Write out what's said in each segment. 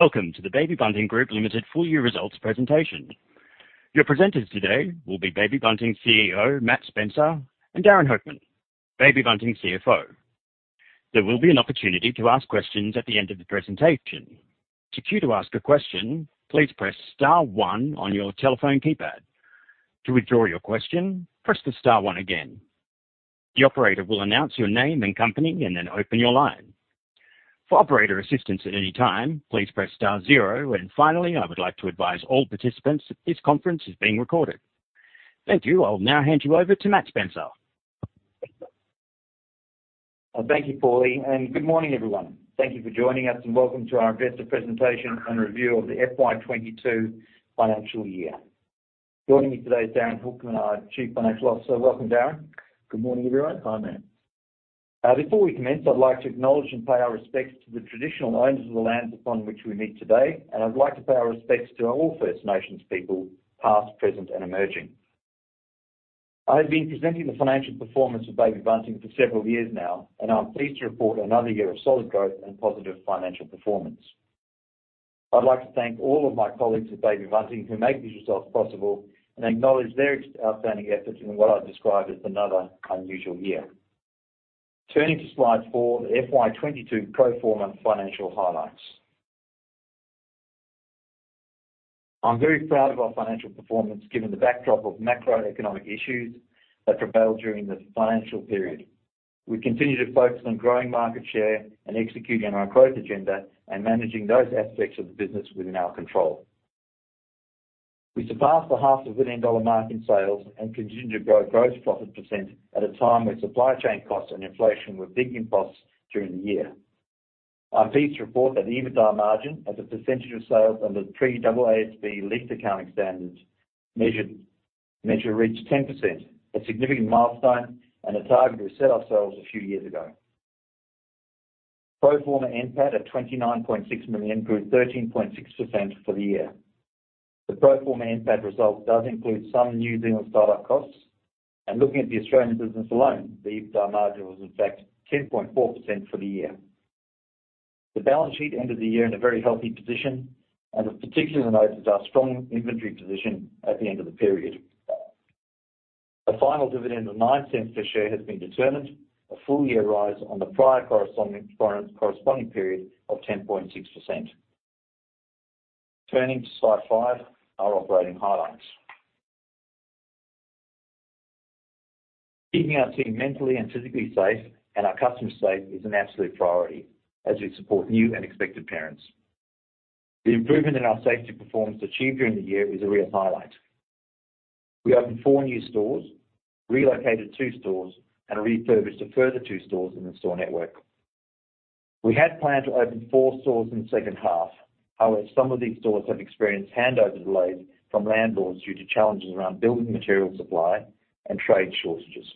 Welcome to the Baby Bunting Group Limited full year results presentation. Your presenters today will be Baby Bunting CEO, Matt Spencer, and Darin Hoekman, Baby Bunting CFO. There will be an opportunity to ask questions at the end of the presentation. To queue to ask a question, please press star one on your telephone keypad. To withdraw your question, press the star one again. The operator will announce your name and company and then open your line. For operator assistance at any time, please press star zero, and finally, I would like to advise all participants that this conference is being recorded. Thank you. I'll now hand you over to Matt Spencer. Thank you, Paul, and good morning, everyone. Thank you for joining us and welcome to our investor presentation and review of the FY 22 financial year. Joining me today is Darin Hoekman, our Chief Financial Officer. Welcome, Darin. Good morning, everyone. Hi, Matt. Before we commence, I'd like to acknowledge and pay our respects to the traditional owners of the lands upon which we meet today, and I'd like to pay our respects to all First Nations people, past, present, and emerging. I've been presenting the financial performance of Baby Bunting for several years now, and I'm pleased to report another year of solid growth and positive financial performance. I'd like to thank all of my colleagues at Baby Bunting who make these results possible and acknowledge their outstanding efforts in what I describe as another unusual year. Turning to slide four, the FY22 pro forma financial highlights. I'm very proud of our financial performance given the backdrop of macroeconomic issues that prevailed during the financial period. We continue to focus on growing market share and executing on our growth agenda and managing those aspects of the business within our control. We surpassed the half a billion dollar mark in sales and continued to grow gross profit percent at a time where supply chain costs and inflation were big inputs during the year. I'm pleased to report that the EBITDA margin as a percentage of sales under the pre-AASB 16 lease accounting standards measured reached 10%, a significant milestone and a target we set ourselves a few years ago. Pro forma NPAT at 29.6 million, grew 13.6% for the year. The pro forma NPAT result does include some New Zealand start-up costs, and looking at the Australian business alone, the EBITDA margin was in fact 10.4% for the year. The balance sheet ended the year in a very healthy position, and of particular note is our strong inventory position at the end of the period. A final dividend of nine cents per share has been determined, a full-year rise on the prior corresponding period of 10.6%. Turning to slide five, our operating highlights. Keeping our team mentally and physically safe and our customers safe is an absolute priority as we support new and expected parents. The improvement in our safety performance achieved during the year is a real highlight. We opened four new stores, relocated two stores, and refurbished a further two stores in the store network. We had planned to open four stores in the second half. However, some of these stores have experienced handover delays from landlords due to challenges around building material supply and trade shortages.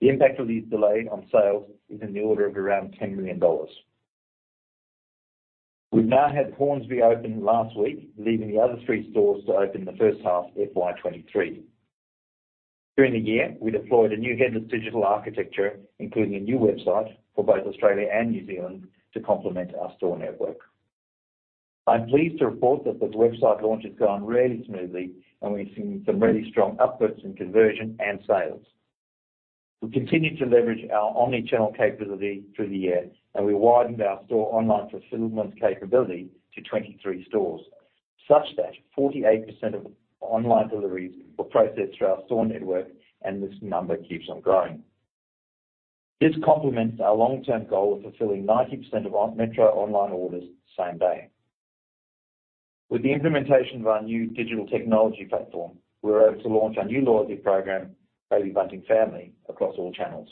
The impact of these delays on sales is in the order of around 10 million dollars. We've now had Hornsby open last week, leaving the other three stores to open in the first half of FY23. During the year, we deployed a new headless digital architecture, including a new website for both Australia and New Zealand to complement our store network. I'm pleased to report that the website launch has gone really smoothly, and we've seen some really strong upwards in conversion and sales. We continued to leverage our omni-channel capability through the year, and we widened our store online fulfillment capability to 23 stores, such that 48% of online deliveries were processed through our store network, and this number keeps on growing. This complements our long-term goal of fulfilling 90% of our metro online orders same day. With the implementation of our new digital technology platform, we were able to launch our new loyalty program, Baby Bunting Family, across all channels.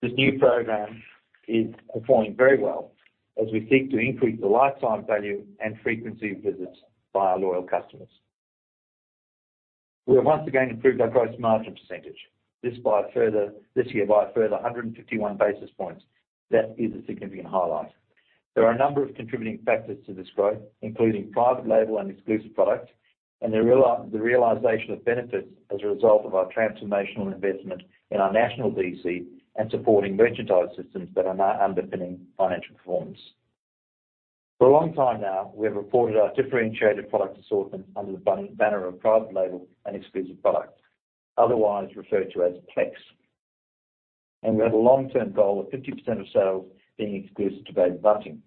This new program is performing very well as we seek to increase the lifetime value and frequency of visits by our loyal customers. We have once again improved our gross margin percentage, this year by a further 151 basis points. That is a significant highlight. There are a number of contributing factors to this growth, including private label and exclusive products, and the realization of benefits as a result of our transformational investment in our national DC and supporting merchandise systems that are now underpinning financial performance. For a long time now, we have reported our differentiated product assortment under the banner of private label and exclusive products, otherwise referred to as PLEX. We have a long-term goal of 50% of sales being exclusive to Baby Bunting.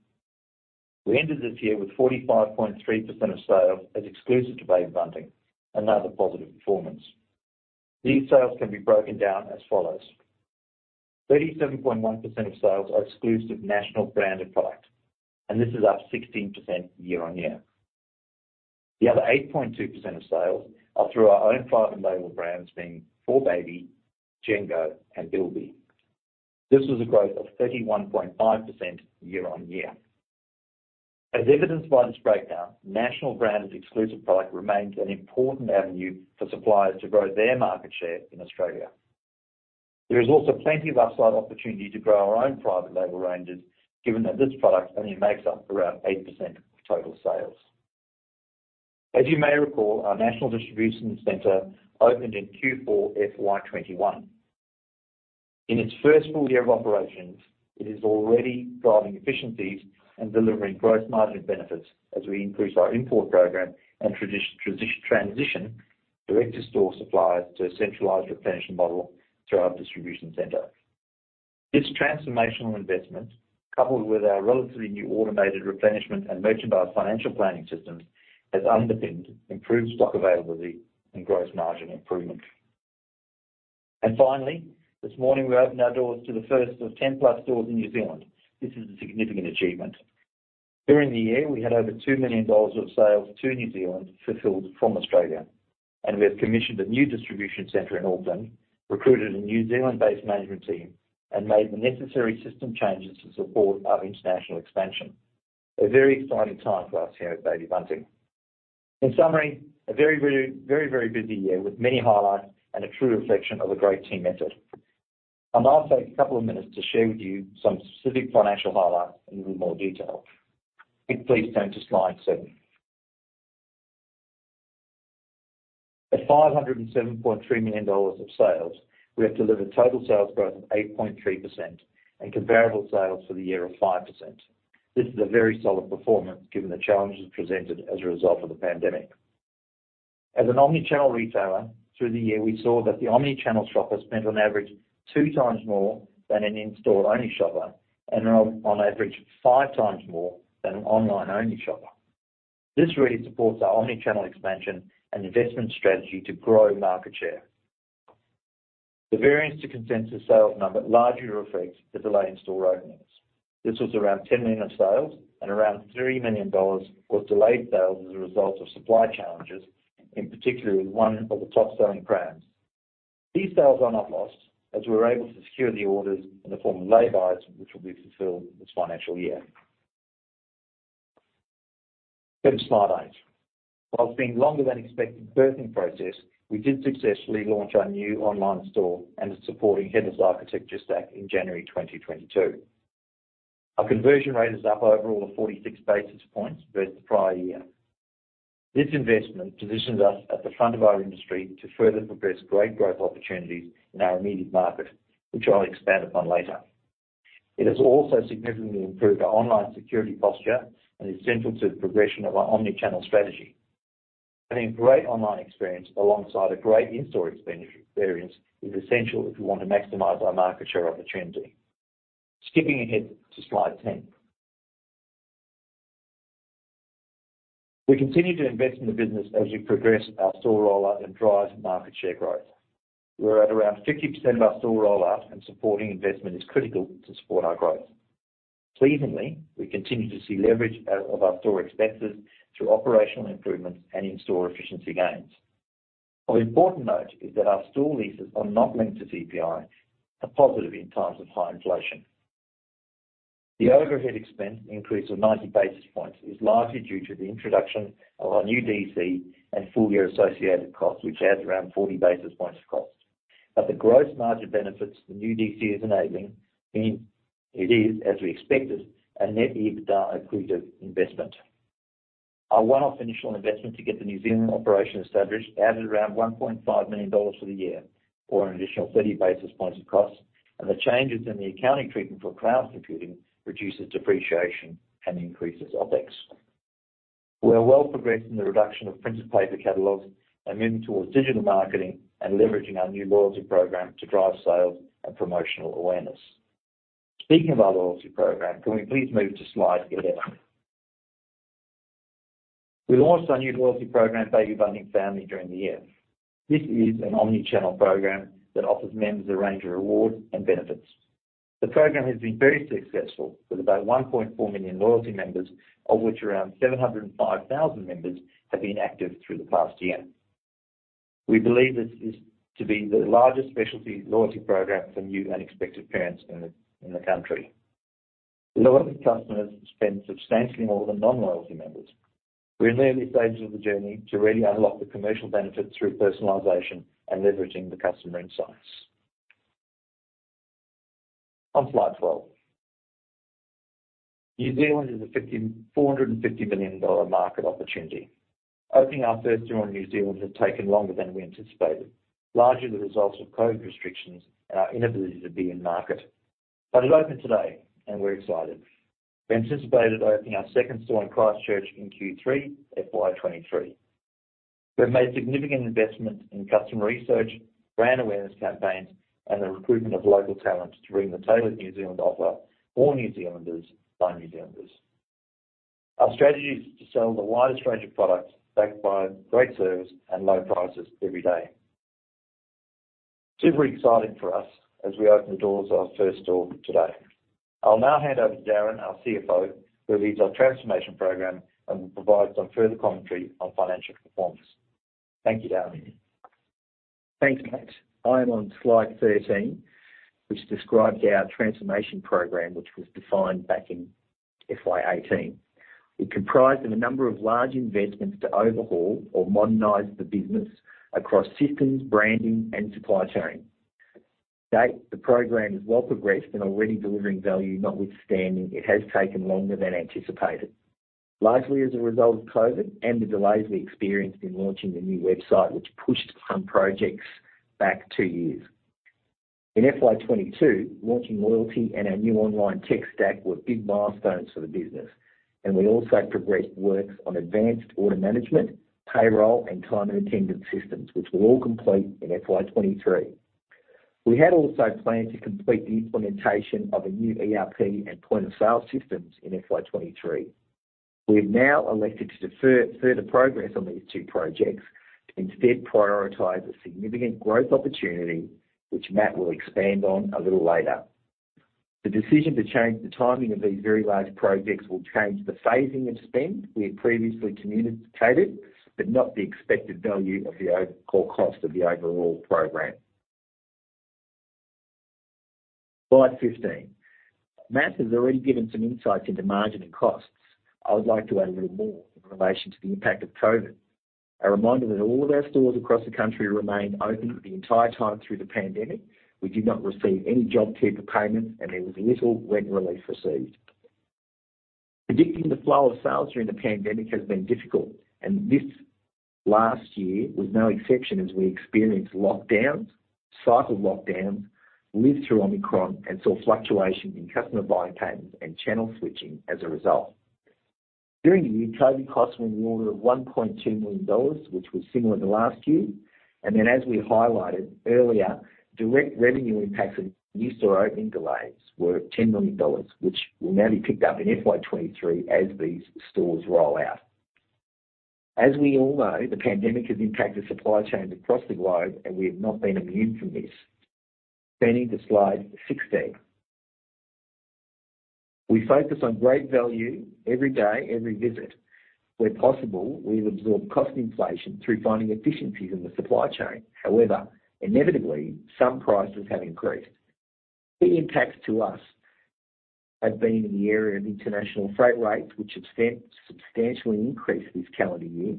We ended this year with 45.3% of sales as exclusive to Baby Bunting, another positive performance. These sales can be broken down as follows. 37.1% of sales are exclusive national branded product, and this is up 16% year-on-year. The other 8.2% of sales are through our own private label brands, being 4baby, Jengo, and Bilbi. This was a growth of 31.5% year-on-year. As evidenced by this breakdown, national branded exclusive product remains an important avenue for suppliers to grow their market share in Australia. There is also plenty of upside opportunity to grow our own private label ranges, given that this product only makes up around 8% of total sales. As you may recall, our national distribution center opened in Q4 FY21. In its first full year of operations, it is already driving efficiencies and delivering gross margin benefits as we increase our import program and transition direct-to-store suppliers to a centralized retention model through our distribution center. This transformational investment, coupled with our relatively new automated replenishment and merchant bar financial planning systems, has underpinned improved stock availability and gross margin improvement. Finally, this morning, we opened our doors to the first of 10-plus stores in New Zealand. This is a significant achievement. During the year, we had over 2 million dollars of sales to New Zealand fulfilled from Australia, and we have commissioned a new distribution center in Auckland, recruited a New Zealand-based management team, and made the necessary system changes to support our international expansion. A very exciting time for us here at Baby Bunting. In summary, a very busy year with many highlights and a true reflection of a great team effort. I'm gonna take a couple of minutes to share with you some specific financial highlights in a little more detail. Please turn to slide seven. At 507.3 million dollars of sales, we have delivered total sales growth of 8.3% and comparable sales for the year of 5%. This is a very solid performance given the challenges presented as a result of the pandemic. As an omni-channel retailer, through the year, we saw that the omni-channel shopper spent on average two times more than an in-store-only shopper and on average five times more than an online-only shopper. This really supports our omni-channel expansion and investment strategy to grow market share. The variance to consensus sales number largely reflects the delay in store openings. This was around 10 million of sales and around 3 million dollars was delayed sales as a result of supply challenges, in particular with one of the top-selling prams. These sales are not lost as we were able to secure the orders in the form of lay buys, which will be fulfilled this financial year. Go to slide eight. While it's been longer than expected birthing process, we did successfully launch our new online store and it's supporting headless architecture stack in January 2022. Our conversion rate is up overall 46 basis points versus the prior year. This investment positions us at the front of our industry to further progress great growth opportunities in our immediate market, which I'll expand upon later. It has also significantly improved our online security posture and is central to the progression of our omni-channel strategy. Having great online experience alongside a great in-store experience is essential if we want to maximize our market share opportunity. Skipping ahead to slide 10. We continue to invest in the business as we progress our store rollout and drive market share growth. We're at around 50% of our store rollout and supporting investment is critical to support our growth. Pleasingly, we continue to see leverage of our store expenses through operational improvements and in-store efficiency gains. Of important note is that our store leases are not linked to CPI, a positive in times of high inflation. The overhead expense increase of 90 basis points is largely due to the introduction of our new DC and full-year associated costs, which adds around 40 basis points cost. The gross margin benefits the new DC is enabling mean it is, as we expected, a net EBITDA accretive investment. Our one-off initial investment to get the New Zealand operation established added around 1.5 million dollars for the year or an additional 30 basis points of costs, and the changes in the accounting treatment for cloud computing reduces depreciation and increases OpEx. We are well progressed in the reduction of printed paper catalogs and moving towards digital marketing and leveraging our new loyalty program to drive sales and promotional awareness. Speaking of our loyalty program, can we please move to slide 11? We launched our new loyalty program, Baby Bunting Family, during the year. This is an omni-channel program that offers members a range of rewards and benefits. The program has been very successful with about 1.4 million loyalty members, of which around 705,000 members have been active through the past year. We believe this is to be the largest specialty loyalty program for new and expected parents in the country. Loyalty customers spend substantially more than non-loyalty members. We're in the early stages of the journey to really unlock the commercial benefit through personalization and leveraging the customer insights. On slide 12. New Zealand is a 450 million dollar market opportunity. Opening our first store in New Zealand has taken longer than we anticipated, largely the result of COVID restrictions and our inability to be in market. It opened today, and we're excited. We anticipated opening our second store in Christchurch in Q3 FY23. We've made significant investments in customer research, brand awareness campaigns, and the recruitment of local talent to bring the tailored New Zealand offer for New Zealanders by New Zealanders. Our strategy is to sell the widest range of products backed by great service and low prices every day. Super exciting for us as we open the doors of our first store today. I'll now hand over to Darin, our CFO, who leads our transformation program and will provide some further commentary on financial performance. Thank you, Darin. Thanks, Matt. I am on slide 13, which describes our transformation program, which was defined back in FY18. It comprised of a number of large investments to overhaul or modernize the business across systems, branding, and supply chain. To date, the program is well progressed and already delivering value, notwithstanding it has taken longer than anticipated, largely as a result of COVID and the delays we experienced in launching the new website, which pushed some projects back two years. In FY22, launching loyalty and our new online tech stack were big milestones for the business, and we also progressed works on advanced order management, payroll and time and attendance systems, which were all complete in FY23. We had also planned to complete the implementation of a new ERP and point of sale systems in FY23. We have now elected to defer further progress on these two projects to instead prioritize a significant growth opportunity, which Matt will expand on a little later. The decision to change the timing of these very large projects will change the phasing of spend we had previously communicated, but not the expected value or cost of the overall program. Slide 15. Matt has already given some insights into margin and costs. I would like to add a little more in relation to the impact of COVID. A reminder that all of our stores across the country remained open the entire time through the pandemic. We did not receive any JobKeeper payments, and there was little rent relief received. Predicting the flow of sales during the pandemic has been difficult, and this last year was no exception as we experienced lockdowns, cycle lockdowns, lived through Omicron, and saw fluctuations in customer buying patterns and channel switching as a result. During the year, COVID costs were in the order of 1.2 million dollars, which was similar to last year. As we highlighted earlier, direct revenue impacts of new store opening delays were 10 million dollars, which will now be picked up in FY23 as these stores roll out. As we all know, the pandemic has impacted supply chains across the globe, and we have not been immune from this. Turning to slide 16. We focus on great value every day, every visit. Where possible, we've absorbed cost inflation through finding efficiencies in the supply chain. However, inevitably, some prices have increased. The impacts to us have been in the area of international freight rates, which have substantially increased this calendar year,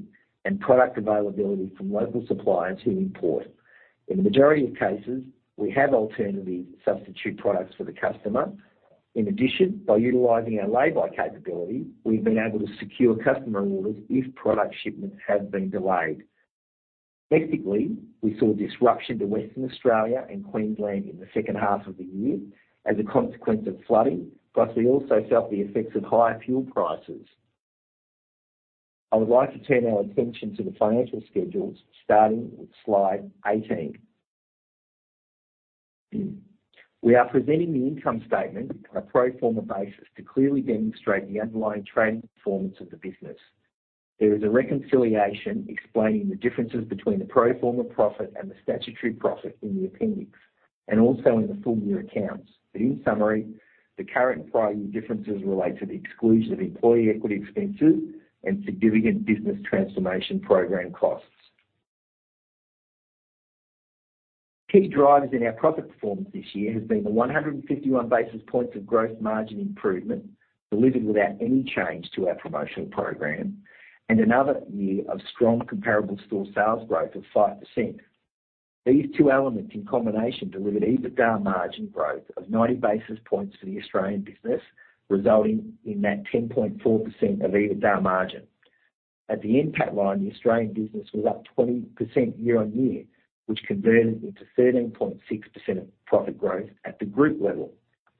and product availability from local suppliers who import. In the majority of cases, we have alternative substitute products for the customer. In addition, by utilizing our lay-by capability, we've been able to secure customer orders if product shipments have been delayed. Logistically, we saw disruption to Western Australia and Queensland in the second half of the year as a consequence of flooding, plus we also felt the effects of higher fuel prices. I would like to turn our attention to the financial schedules starting with slide 18. We are presenting the income statement on a pro forma basis to clearly demonstrate the underlying trading performance of the business. There is a reconciliation explaining the differences between the pro forma profit and the statutory profit in the appendix, and also in the full year accounts. In summary, the current prior year differences relate to the exclusion of employee equity expenses and significant business transformation program costs. Key drivers in our profit performance this year has been the 151 basis points of gross margin improvement, delivered without any change to our promotional program, and another year of strong comparable store sales growth of 5%. These two elements in combination delivered EBITDA margin growth of 90 basis points for the Australian business, resulting in that 10.4% EBITDA margin. At the NPAT line, the Australian business was up 20% year-on-year, which converted into 13.6% profit growth at the group level.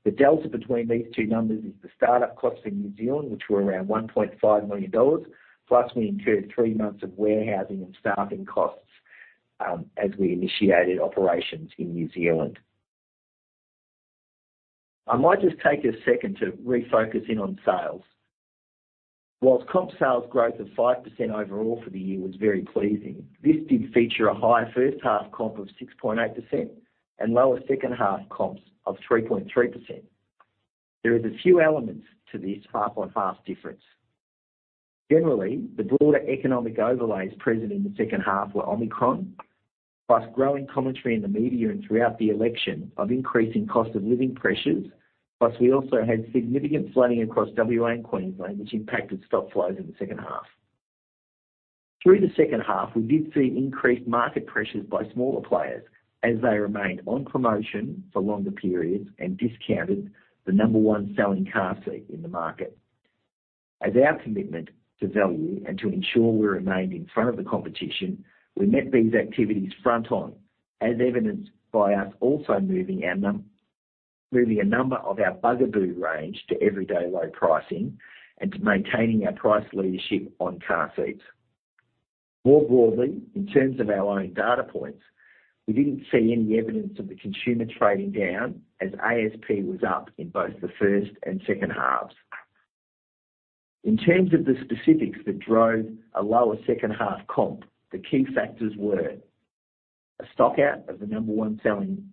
The delta between these two numbers is the start-up costs for New Zealand, which were around 1.5 million dollars, plus we incurred three months of warehousing and staffing costs, as we initiated operations in New Zealand. I might just take a second to refocus in on sales. While comp sales growth of 5% overall for the year was very pleasing, this did feature a higher first half comp of 6.8% and lower second half comps of 3.3%. There is a few elements to this half-on-half difference. Generally, the broader economic overlays present in the second half were Omicron, plus growing commentary in the media and throughout the election of increasing cost of living pressures. We also had significant flooding across WA and Queensland, which impacted stock flows in the second half. Through the second half, we did see increased market pressures by smaller players as they remained on promotion for longer periods and discounted the number one selling car seat in the market. As our commitment to value and to ensure we remained in front of the competition, we met these activities head on, as evidenced by us also moving a number of our Bugaboo range to everyday low pricing and to maintaining our price leadership on car seats. More broadly, in terms of our own data points, we didn't see any evidence of the consumer trading down as ASP was up in both the first and second halves. In terms of the specifics that drove a lower second half comp, the key factors were a stock out of the number one selling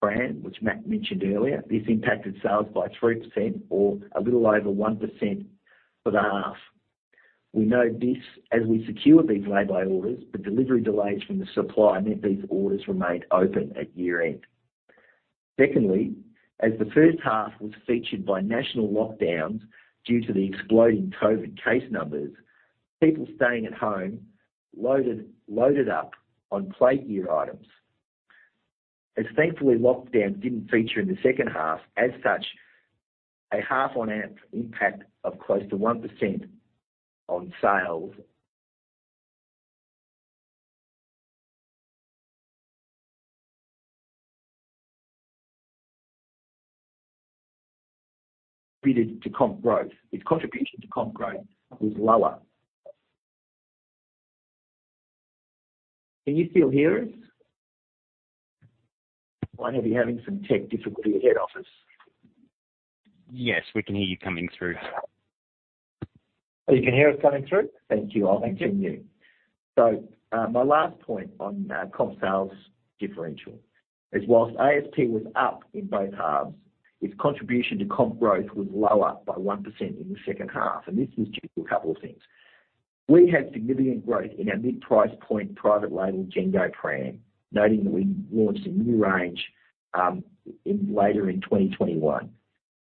brand, which Matt mentioned earlier. This impacted sales by 3% or a little over 1% for the half. We know this as we secured these lay-by orders, but delivery delays from the supplier meant these orders remained open at year-end. Secondly, as the first half was featured by national lockdowns due to the exploding COVID case numbers. People staying at home loaded up on playwear items. As thankfully, lockdowns didn't feature in the second half. As such, a half-on-half impact of close to 1% on sales. This contributed to comp growth. Its contribution to comp growth was lower. Can you still hear us? I hear we're having some tech difficulty at head office. Yes, we can hear you coming through. Oh, you can hear us coming through? Thank you. I'll continue. Yes. My last point on comp sales differential is while ASP was up in both halves, its contribution to comp growth was lower by 1% in the second half, and this was due to a couple of things. We had significant growth in our mid-price point private label, Jengo pram, noting that we launched a new range later in 2021.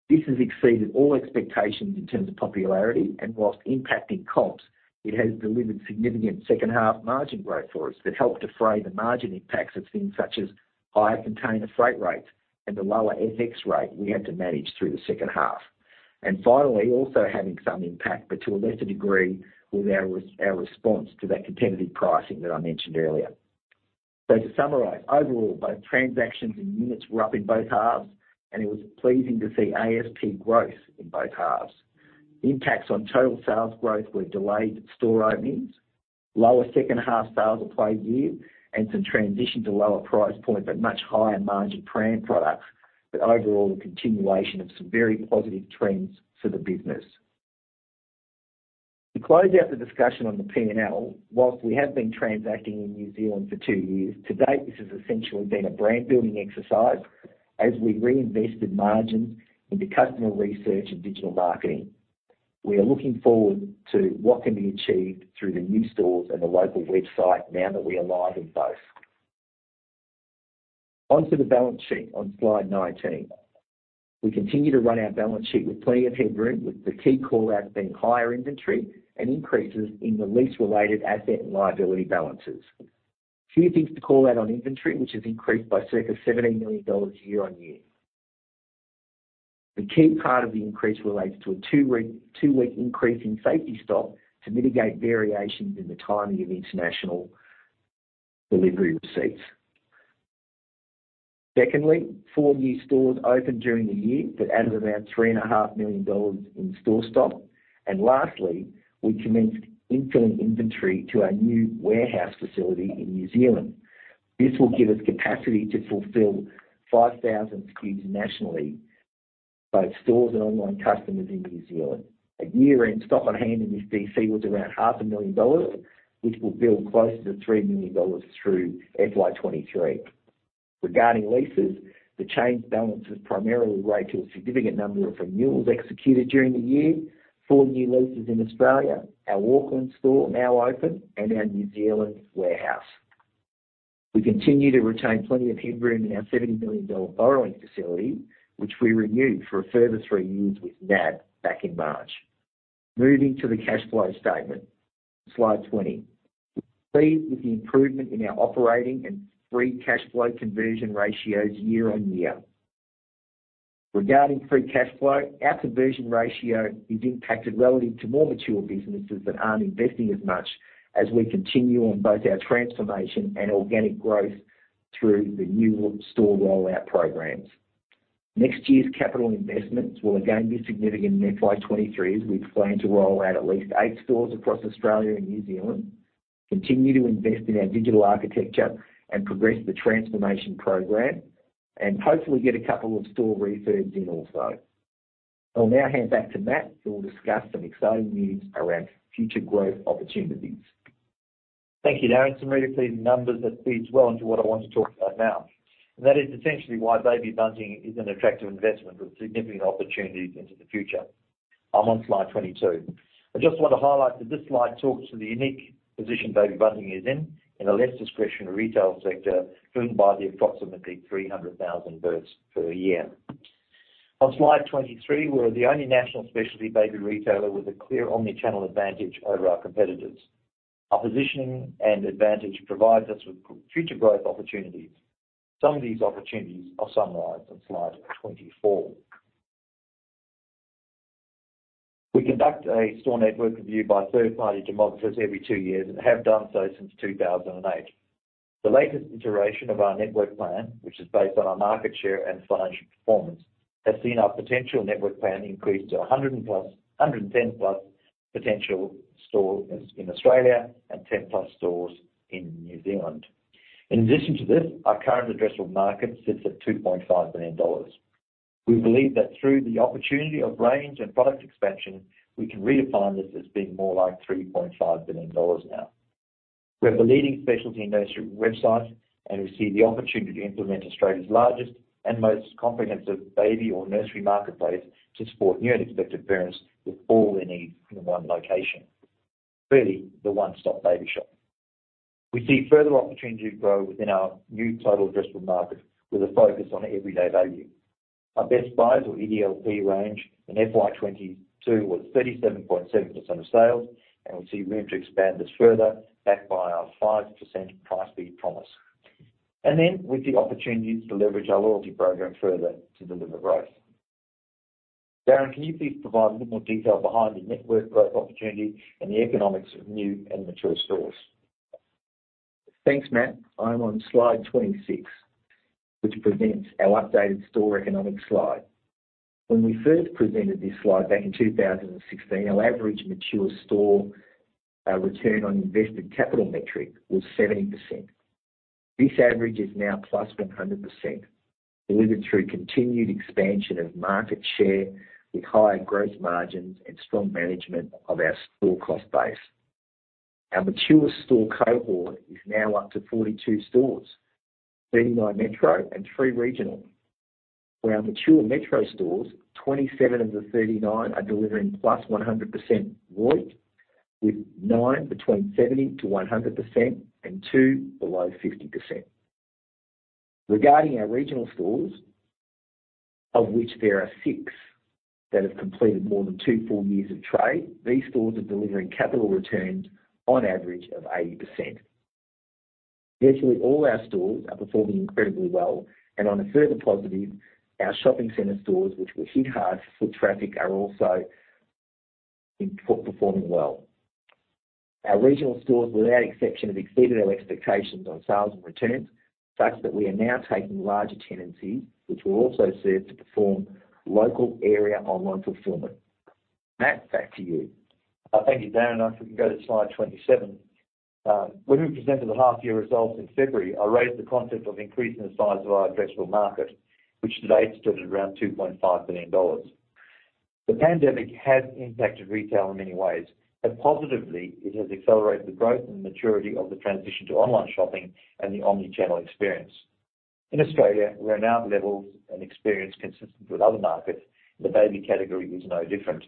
This has exceeded all expectations in terms of popularity, and while impacting comps, it has delivered significant second-half margin growth for us that helped to offset the margin impacts of things such as higher container freight rates and the lower FX rate we had to manage through the second half. Finally, also having some impact, but to a lesser degree, with our response to that competitive pricing that I mentioned earlier. To summarize, overall, both transactions and units were up in both halves, and it was pleasing to see ASP growth in both halves. The impacts on total sales growth were delayed store openings, lower second-half sales of playwear, and some transition to lower price point, but much higher margin pram products. Overall, the continuation of some very positive trends for the business. To close out the discussion on the P&L, while we have been transacting in New Zealand for two years, to date, this has essentially been a brand-building exercise as we reinvested margins into customer research and digital marketing. We are looking forward to what can be achieved through the new stores and the local website now that we are live in both. Onto the balance sheet on slide 19. We continue to run our balance sheet with plenty of headroom, with the key call-outs being higher inventory and increases in the lease-related asset and liability balances. A few things to call out on inventory, which has increased by circa 17 million dollars year-on-year. The key part of the increase relates to a two-week increase in safety stock to mitigate variations in the timing of international delivery receipts. Secondly, four new stores opened during the year that added about 3.5 million dollars in store stock. Lastly, we commenced infilling inventory to our new warehouse facility in New Zealand. This will give us capacity to fulfill 5,000 SKUs nationally, both stores and online customers in New Zealand. At year-end, stock on hand in this DC was around AUD half a million dollars, which will build closer to 3 million dollars through FY23. Regarding leases, the changed balances primarily relate to a significant number of renewals executed during the year, four new leases in Australia, our Auckland store now open, and our New Zealand warehouse. We continue to retain plenty of headroom in our 70 million dollar borrowing facility, which we renewed for a further three years with NAB back in March. Moving to the cash flow statement, slide 20. Pleased with the improvement in our operating and free cash flow conversion ratios year-on-year. Regarding free cash flow, our conversion ratio is impacted relative to more mature businesses that aren't investing as much as we continue on both our transformation and organic growth through the new store rollout programs. Next year's capital investments will again be significant in FY23, as we plan to roll out at least eight stores across Australia and New Zealand, continue to invest in our digital architecture and progress the transformation program, and hopefully get a couple of store refurbs in also. I'll now hand back to Matt, who will discuss some exciting news around future growth opportunities. Thank you, Darin. Some really pleasing numbers that feeds well into what I want to talk about now. That is essentially why Baby Bunting is an attractive investment with significant opportunities into the future. I'm on slide 22. I just want to highlight that this slide talks to the unique position Baby Bunting is in a less discretionary retail sector driven by the approximately 300,000 births per year. On slide 23, we're the only national specialty baby retailer with a clear omni-channel advantage over our competitors. Our positioning and advantage provides us with future growth opportunities. Some of these opportunities are summarized on slide 24. We conduct a store network review by third-party demographers every two years and have done so since 2008. The latest iteration of our network plan, which is based on our market share and financial performance, has seen our potential network plan increase to 110+ potential stores in Australia and 10+ stores in New Zealand. In addition to this, our current addressable market sits at 2.5 billion dollars. We believe that through the opportunity of range and product expansion, we can redefine this as being more like 3.5 billion dollars now. We have the leading specialty nursery website, and we see the opportunity to implement Australia's largest and most comprehensive baby or nursery marketplace to support new and expectant parents with all their needs in one location. Clearly, the one-stop baby shop. We see further opportunity to grow within our new total addressable market with a focus on everyday value. Our best buys or EDLP range in FY22 was 37.7% of sales, and we see room to expand this further backed by our 5% price beat promise. We see opportunities to leverage our loyalty program further to deliver growth. Darin, can you please provide a bit more detail behind the network growth opportunity and the economics of new and mature stores? Thanks, Matt. I'm on slide 26, which presents our updated store economic slide. When we first presented this slide back in 2016, our average mature store return on invested capital metric was 70%. This average is now +100%, delivered through continued expansion of market share with higher growth margins and strong management of our store cost base. Our mature store cohort is now up to 42 stores, 39 metro and three regional. For our mature metro stores, 27 of the 39 are delivering +100% ROIC, with 9 between 70%-100% and two below 50%. Regarding our regional stores, of which there are 6 that have completed more than two full years of trade, these stores are delivering capital returns on average of 80%. Virtually all our stores are performing incredibly well, and on a further positive, our shopping center stores, which were hit hard for traffic, are also improving well. Our regional stores, without exception, have exceeded our expectations on sales and returns, such that we are now taking larger tenancies, which will also serve to perform local area online fulfillment. Matt, back to you. Thank you, Darin. If we can go to slide 27. When we presented the half year results in February, I raised the concept of increasing the size of our addressable market, which today stood at around 2.5 billion dollars. The pandemic has impacted retail in many ways, but positively, it has accelerated the growth and maturity of the transition to online shopping and the omni-channel experience. In Australia, we are now at levels and experience consistent with other markets. The baby category is no different.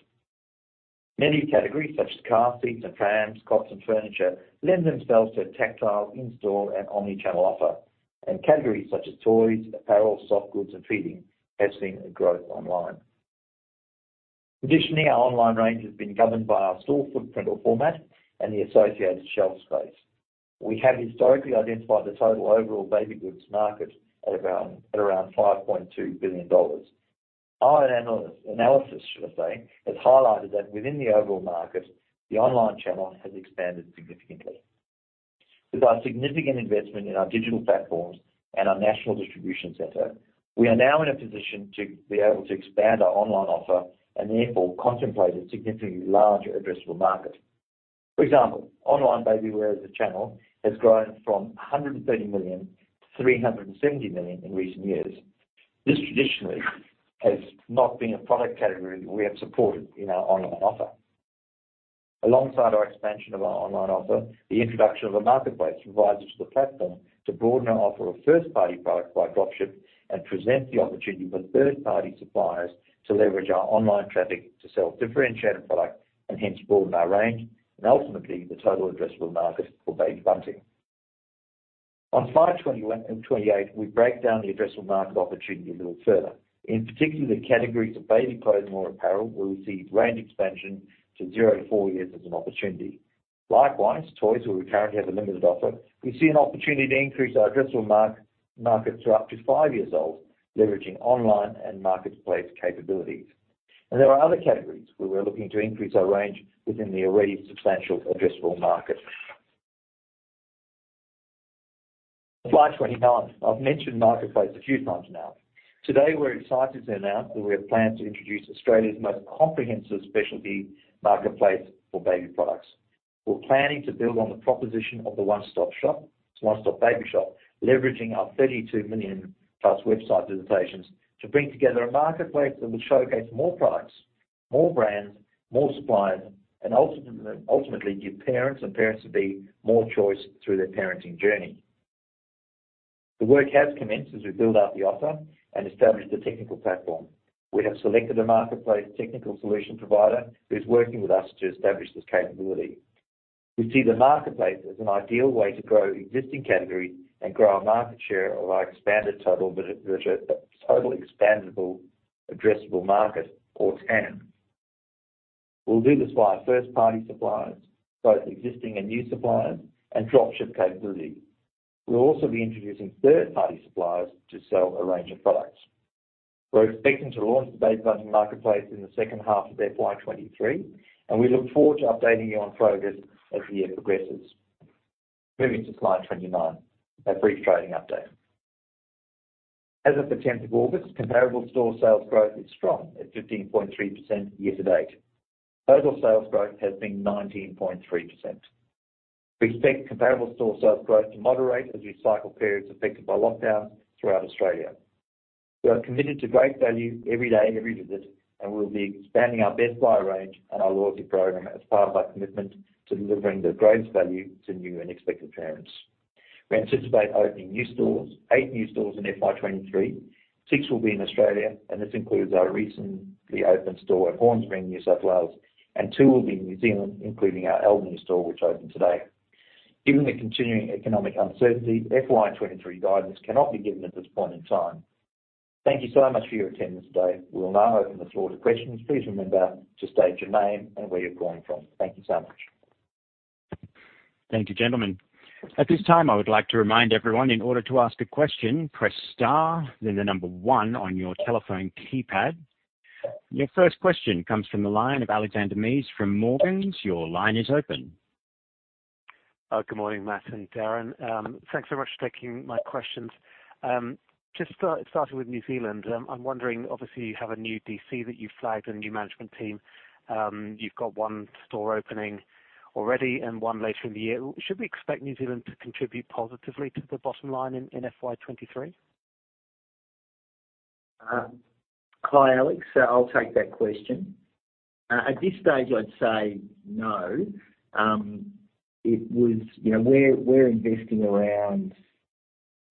Many categories such as car seats and prams, cots and furniture lend themselves to a tactile in-store and omni-channel offer, and categories such as toys, apparel, soft goods and feeding have seen a growth online. Traditionally, our online range has been governed by our store footprint or format and the associated shelf space. We have historically identified the total overall baby goods market at around 5.2 billion dollars. Our analysis, should I say, has highlighted that within the overall market, the online channel has expanded significantly. With our significant investment in our digital platforms and our national distribution center, we are now in a position to be able to expand our online offer and therefore contemplate a significantly larger addressable market. For example, online baby wear as a channel has grown from 130 million to 370 million in recent years. This traditionally has not been a product category we have supported in our online offer. Alongside our expansion of our online offer, the introduction of a marketplace provides us with a platform to broaden our offer of first-party products by dropship and present the opportunity for third-party suppliers to leverage our online traffic to sell differentiated product and hence broaden our range and ultimately the total addressable market for Baby Bunting. On slide 28, we break down the addressable market opportunity a little further. In particular, the categories of baby clothes and more apparel, where we see range expansion to 0-4 years as an opportunity. Likewise, toys where we currently have a limited offer, we see an opportunity to increase our addressable market to up to five years old, leveraging online and marketplace capabilities. There are other categories where we're looking to increase our range within the already substantial addressable market. Slide 29. I've mentioned marketplace a few times now. Today, we're excited to announce that we have plans to introduce Australia's most comprehensive specialty marketplace for baby products. We're planning to build on the proposition of the one-stop-shop, one-stop baby shop, leveraging our 32 million-plus website visitations to bring together a marketplace that will showcase more products, more brands, more suppliers, and ultimately give parents and parents-to-be more choice through their parenting journey. The work has commenced as we build out the offer and establish the technical platform. We have selected a marketplace technical solution provider who is working with us to establish this capability. We see the marketplace as an ideal way to grow existing categories and grow our market share of our expanded total expandable addressable market or TAM. We'll do this via first-party suppliers, both existing and new suppliers, and dropship capability. We'll also be introducing third-party suppliers to sell a range of products. We're expecting to launch the Baby Bunting Marketplace in the second half of FY23, and we look forward to updating you on progress as the year progresses. Moving to slide 29, a brief trading update. As of the tenth of August, comparable store sales growth is strong at 15.3% year to date. Overall sales growth has been 19.3%. We expect comparable store sales growth to moderate as we cycle periods affected by lockdowns throughout Australia. We are committed to great value every day, every visit, and we'll be expanding our Best Buy range and our loyalty program as part of our commitment to delivering the greatest value to new and expectant parents. We anticipate opening new stores, eight new stores in FY23. Six will be in Australia, and this includes our recently opened store at Hornsby, New South Wales, and two will be in New Zealand, including our Albany store, which opened today. Given the continuing economic uncertainty, FY23 guidance cannot be given at this point in time. Thank you so much for your attendance today. We will now open the floor to questions. Please remember to state your name and where you're calling from. Thank you so much. Thank you, gentlemen. At this time, I would like to remind everyone, in order to ask a question, press star then the number one on your telephone keypad. Your first question comes from the line of Alexander Mees from Morgans. Your line is open. Good morning, Matt and Darin. Thanks so much for taking my questions. Just starting with New Zealand. I'm wondering, obviously you have a new DC that you flagged and a new management team. You've got one store opening already and one later in the year. Should we expect New Zealand to contribute positively to the bottom line in FY23? Hi, Alex. I'll take that question. At this stage, I'd say no. You know, we're investing around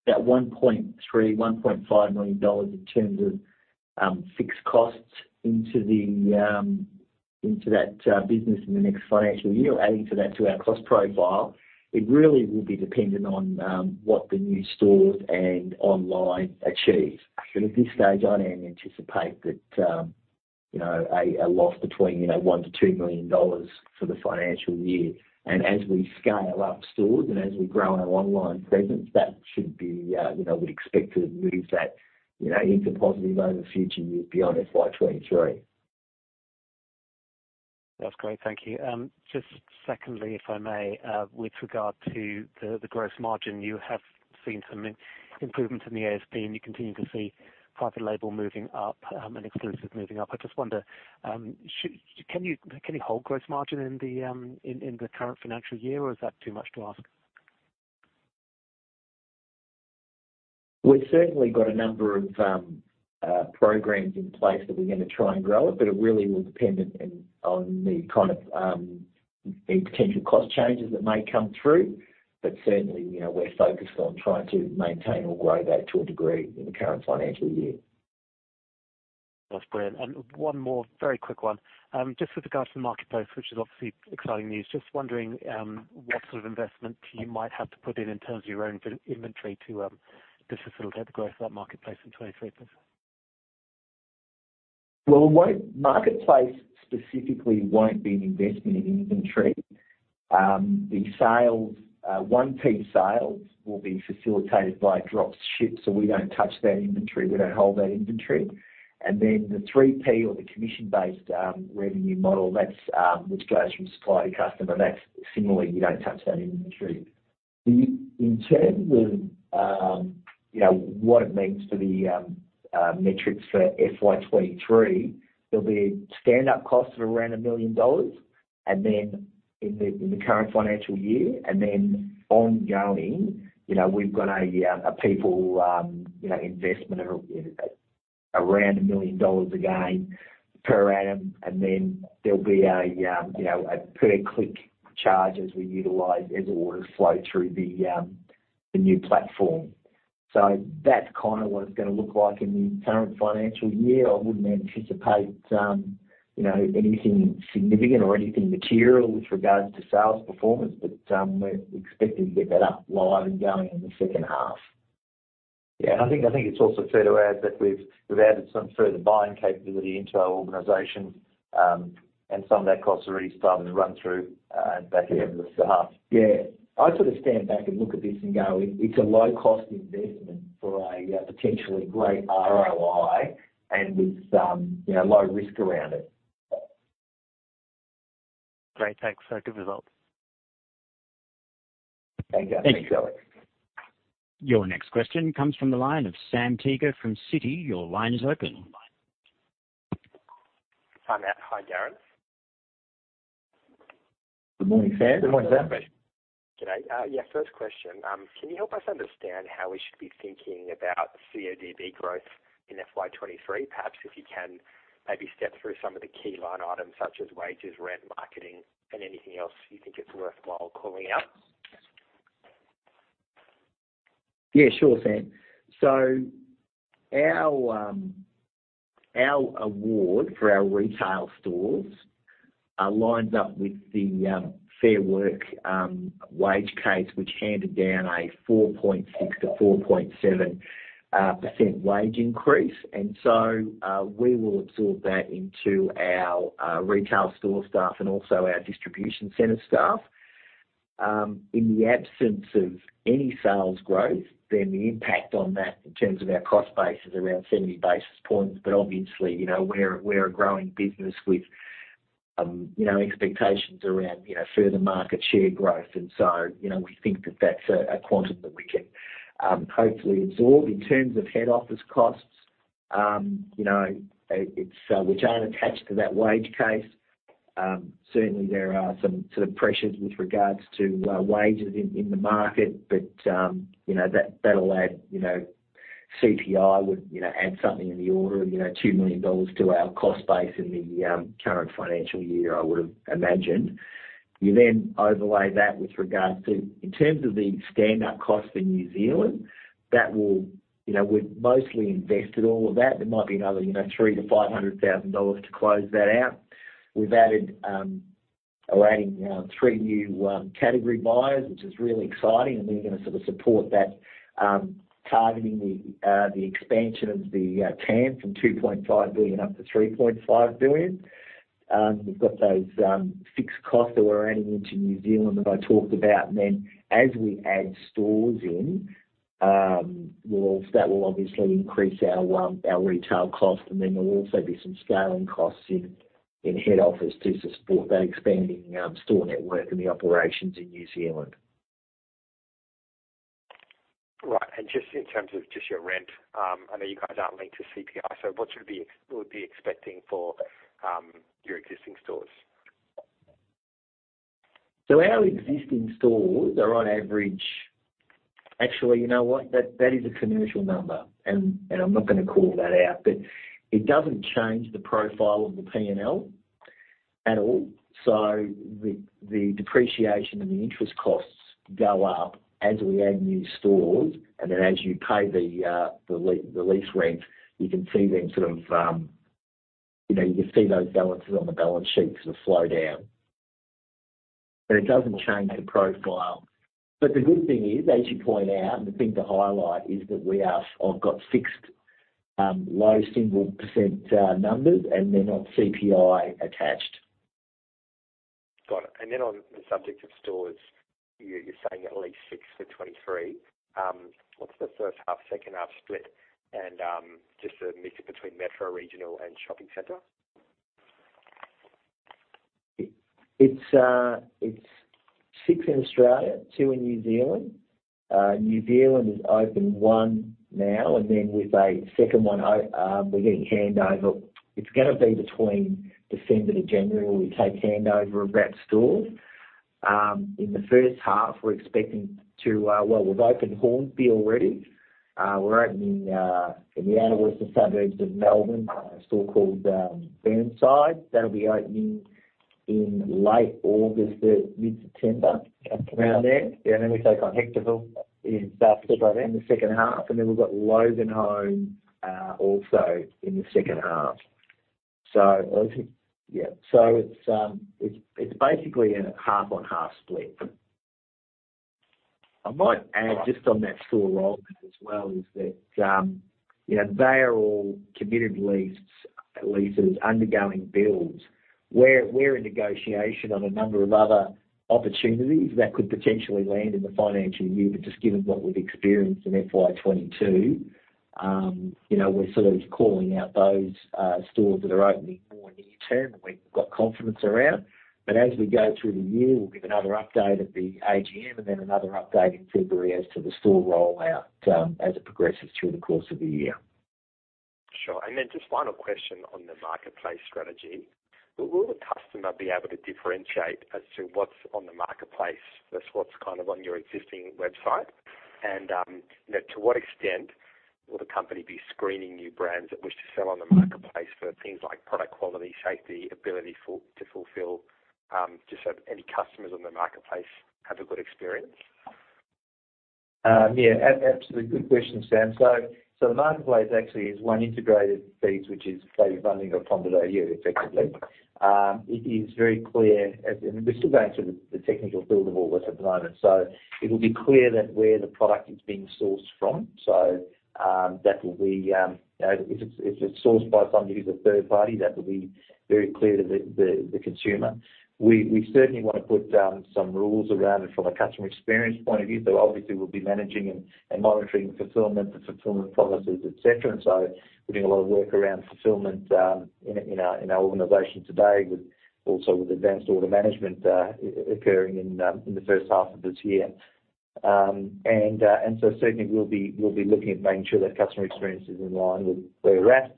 that 1.3-1.5 million dollars in terms of fixed costs into that business in the next financial year, adding to that to our cost profile. It really will be dependent on what the new stores and online achieve. At this stage, I only anticipate that you know a loss between you know 1-2 million dollars for the financial year. As we scale up stores and as we grow our online presence, that should be you know we'd expect to move that you know into positive over the future years beyond FY 2023. That's great. Thank you. Just secondly, if I may, with regard to the gross margin, you have seen some improvements in the ASP, and you continue to see private label moving up, and exclusives moving up. I just wonder, can you hold gross margin in the current financial year, or is that too much to ask? We've certainly got a number of programs in place that we're gonna try and grow it, but it really will depend on the kind of the potential cost changes that may come through. Certainly, you know, we're focused on trying to maintain or grow that to a degree in the current financial year. That's brilliant. One more very quick one. Just with regards to the marketplace, which is obviously exciting news, just wondering what sort of investment you might have to put in terms of your own inventory to facilitate the growth of that marketplace in 2023 please. Well, marketplace specifically won't be an investment in inventory. The sales, 1P sales will be facilitated by dropship, so we don't touch that inventory, we don't hold that inventory. Then the 3P or the commission-based revenue model, that's which goes from supplier to customer, that's similarly, we don't touch that inventory. In terms of, you know, what it means for the metrics for FY23, there'll be start-up costs of around 1 million dollars, and then in the current financial year, and then ongoing, you know, we've got a people investment of around 1 million dollars again per annum, and then there'll be a pay-per-click charge as we utilize, as orders flow through the new platform. That's kind of what it's gonna look like in the current financial year. I wouldn't anticipate, you know, anything significant or anything material with regards to sales performance, but we're expecting to get that up live and going in the second half. I think it's also fair to add that we've added some further buying capability into our organization, and some of that cost are already starting to run through, back at the end of the half. Yeah. I sort of stand back and look at this and go, it's a low cost investment for a potentially great ROI and with, you know, low risk around it. Great. Thanks. Good results. Thank you. Thank you. Thanks, Alex. Your next question comes from the line of Sam Teeger from Citi. Your line is open. Hi, Matt. Hi, Darin. Good morning, Sam. Good morning, Sam. Good day. First question. Can you help us understand how we should be thinking about CODB growth in FY23? Perhaps if you can maybe step through some of the key line items such as wages, rent, marketing, and anything else you think it's worthwhile calling out. Yeah, sure, Sam. Our award for our retail stores lines up with the Fair Work wage case, which handed down a 4.6%-4.7% wage increase. We will absorb that into our retail store staff and also our distribution center staff. In the absence of any sales growth, then the impact on that in terms of our cost base is around 70 basis points. But obviously, you know, we're a growing business with expectations around further market share growth. You know, we think that that's a quantum that we can hopefully absorb. In terms of head office costs, you know, which aren't attached to that wage case, certainly there are some sort of pressures with regards to wages in the market, but you know, that'll add, you know, CPI would, you know, add something in the order of 2 million dollars to our cost base in the current financial year, I would've imagined. You then overlay that with regards to, in terms of the stand-up cost in New Zealand, that will, you know, we've mostly invested all of that. There might be another, you know, 300,000-500,000 dollars to close that out. We're adding three new category buyers, which is really exciting, and we're gonna sort of support that, targeting the expansion of the TAM from 2.5 billion up to 3.5 billion. We've got those fixed costs that we're adding into New Zealand that I talked about. As we add stores in, that will obviously increase our retail cost and then there'll also be some scaling costs in head office to support that expanding store network and the operations in New Zealand. Right. Just in terms of just your rent, I know you guys aren't linked to CPI, so what should we be expecting for your existing stores? Our existing stores are on average. Actually, you know what? That is a commercial number and I'm not gonna call that out, but it doesn't change the profile of the P&L at all. The depreciation and the interest costs go up as we add new stores, and then as you pay the lease rent, you can see them sort of, you know, you can see those balances on the balance sheet sort of slow down. It doesn't change the profile. The good thing is, as you point out, and the thing to highlight is that we have got fixed, low single percent numbers and they're not CPI attached. Got it. On the subject of stores, you're saying at least six for 23. What's the first half, second half split and just the mix between metro, regional, and shopping center? It's six in Australia, two in New Zealand. New Zealand has opened one now, and then with a second one, we're getting handover. It's gonna be between December to January where we take handover of that store. In the first half we're expecting to, well, we've opened Hornsby already. We're opening in the outer western suburbs of Melbourne, a store called Burnside. That'll be opening in late August to mid-September. Around there. We take on Hectorville in South Australia. Still around there. in the second half. We've got Loganholme, also in the second half. Yeah. It's basically a half-on-half split. I might add just on that store rollout as well, they are all committed leases undergoing builds. We're in negotiation on a number of other opportunities that could potentially land in the financial year. Just given what we've experienced in FY22, we're sort of calling out those stores that are opening more near-term and we've got confidence around. As we go through the year, we'll give another update at the AGM and then another update in February as to the store rollout, as it progresses through the course of the year. Sure. Just final question on the marketplace strategy. Will the customer be able to differentiate as to what's on the marketplace versus what's kind of on your existing website? You know, to what extent will the company be screening new brands that wish to sell on the marketplace for things like product quality, safety, ability to fulfill, just so any customers on the marketplace have a good experience? Yeah, absolutely. Good question, Sam. The marketplace actually is one integrated feed, which is Baby Bunting or [Pombado] either effectively. It is very clear, and we're still going through the technical build of all this at the moment. It'll be clear that where the product is being sourced from. That will be, you know, if it's sourced by somebody who's a third party, that will be very clear to the consumer. We certainly wanna put some rules around it from a customer experience point of view. Obviously we'll be managing and monitoring fulfillment, the fulfillment policies, et cetera. We're doing a lot of work around fulfillment in our organization today with also with advanced order management occurring in the first half of this year. Certainly we'll be looking at making sure that customer experience is in line with where we're at.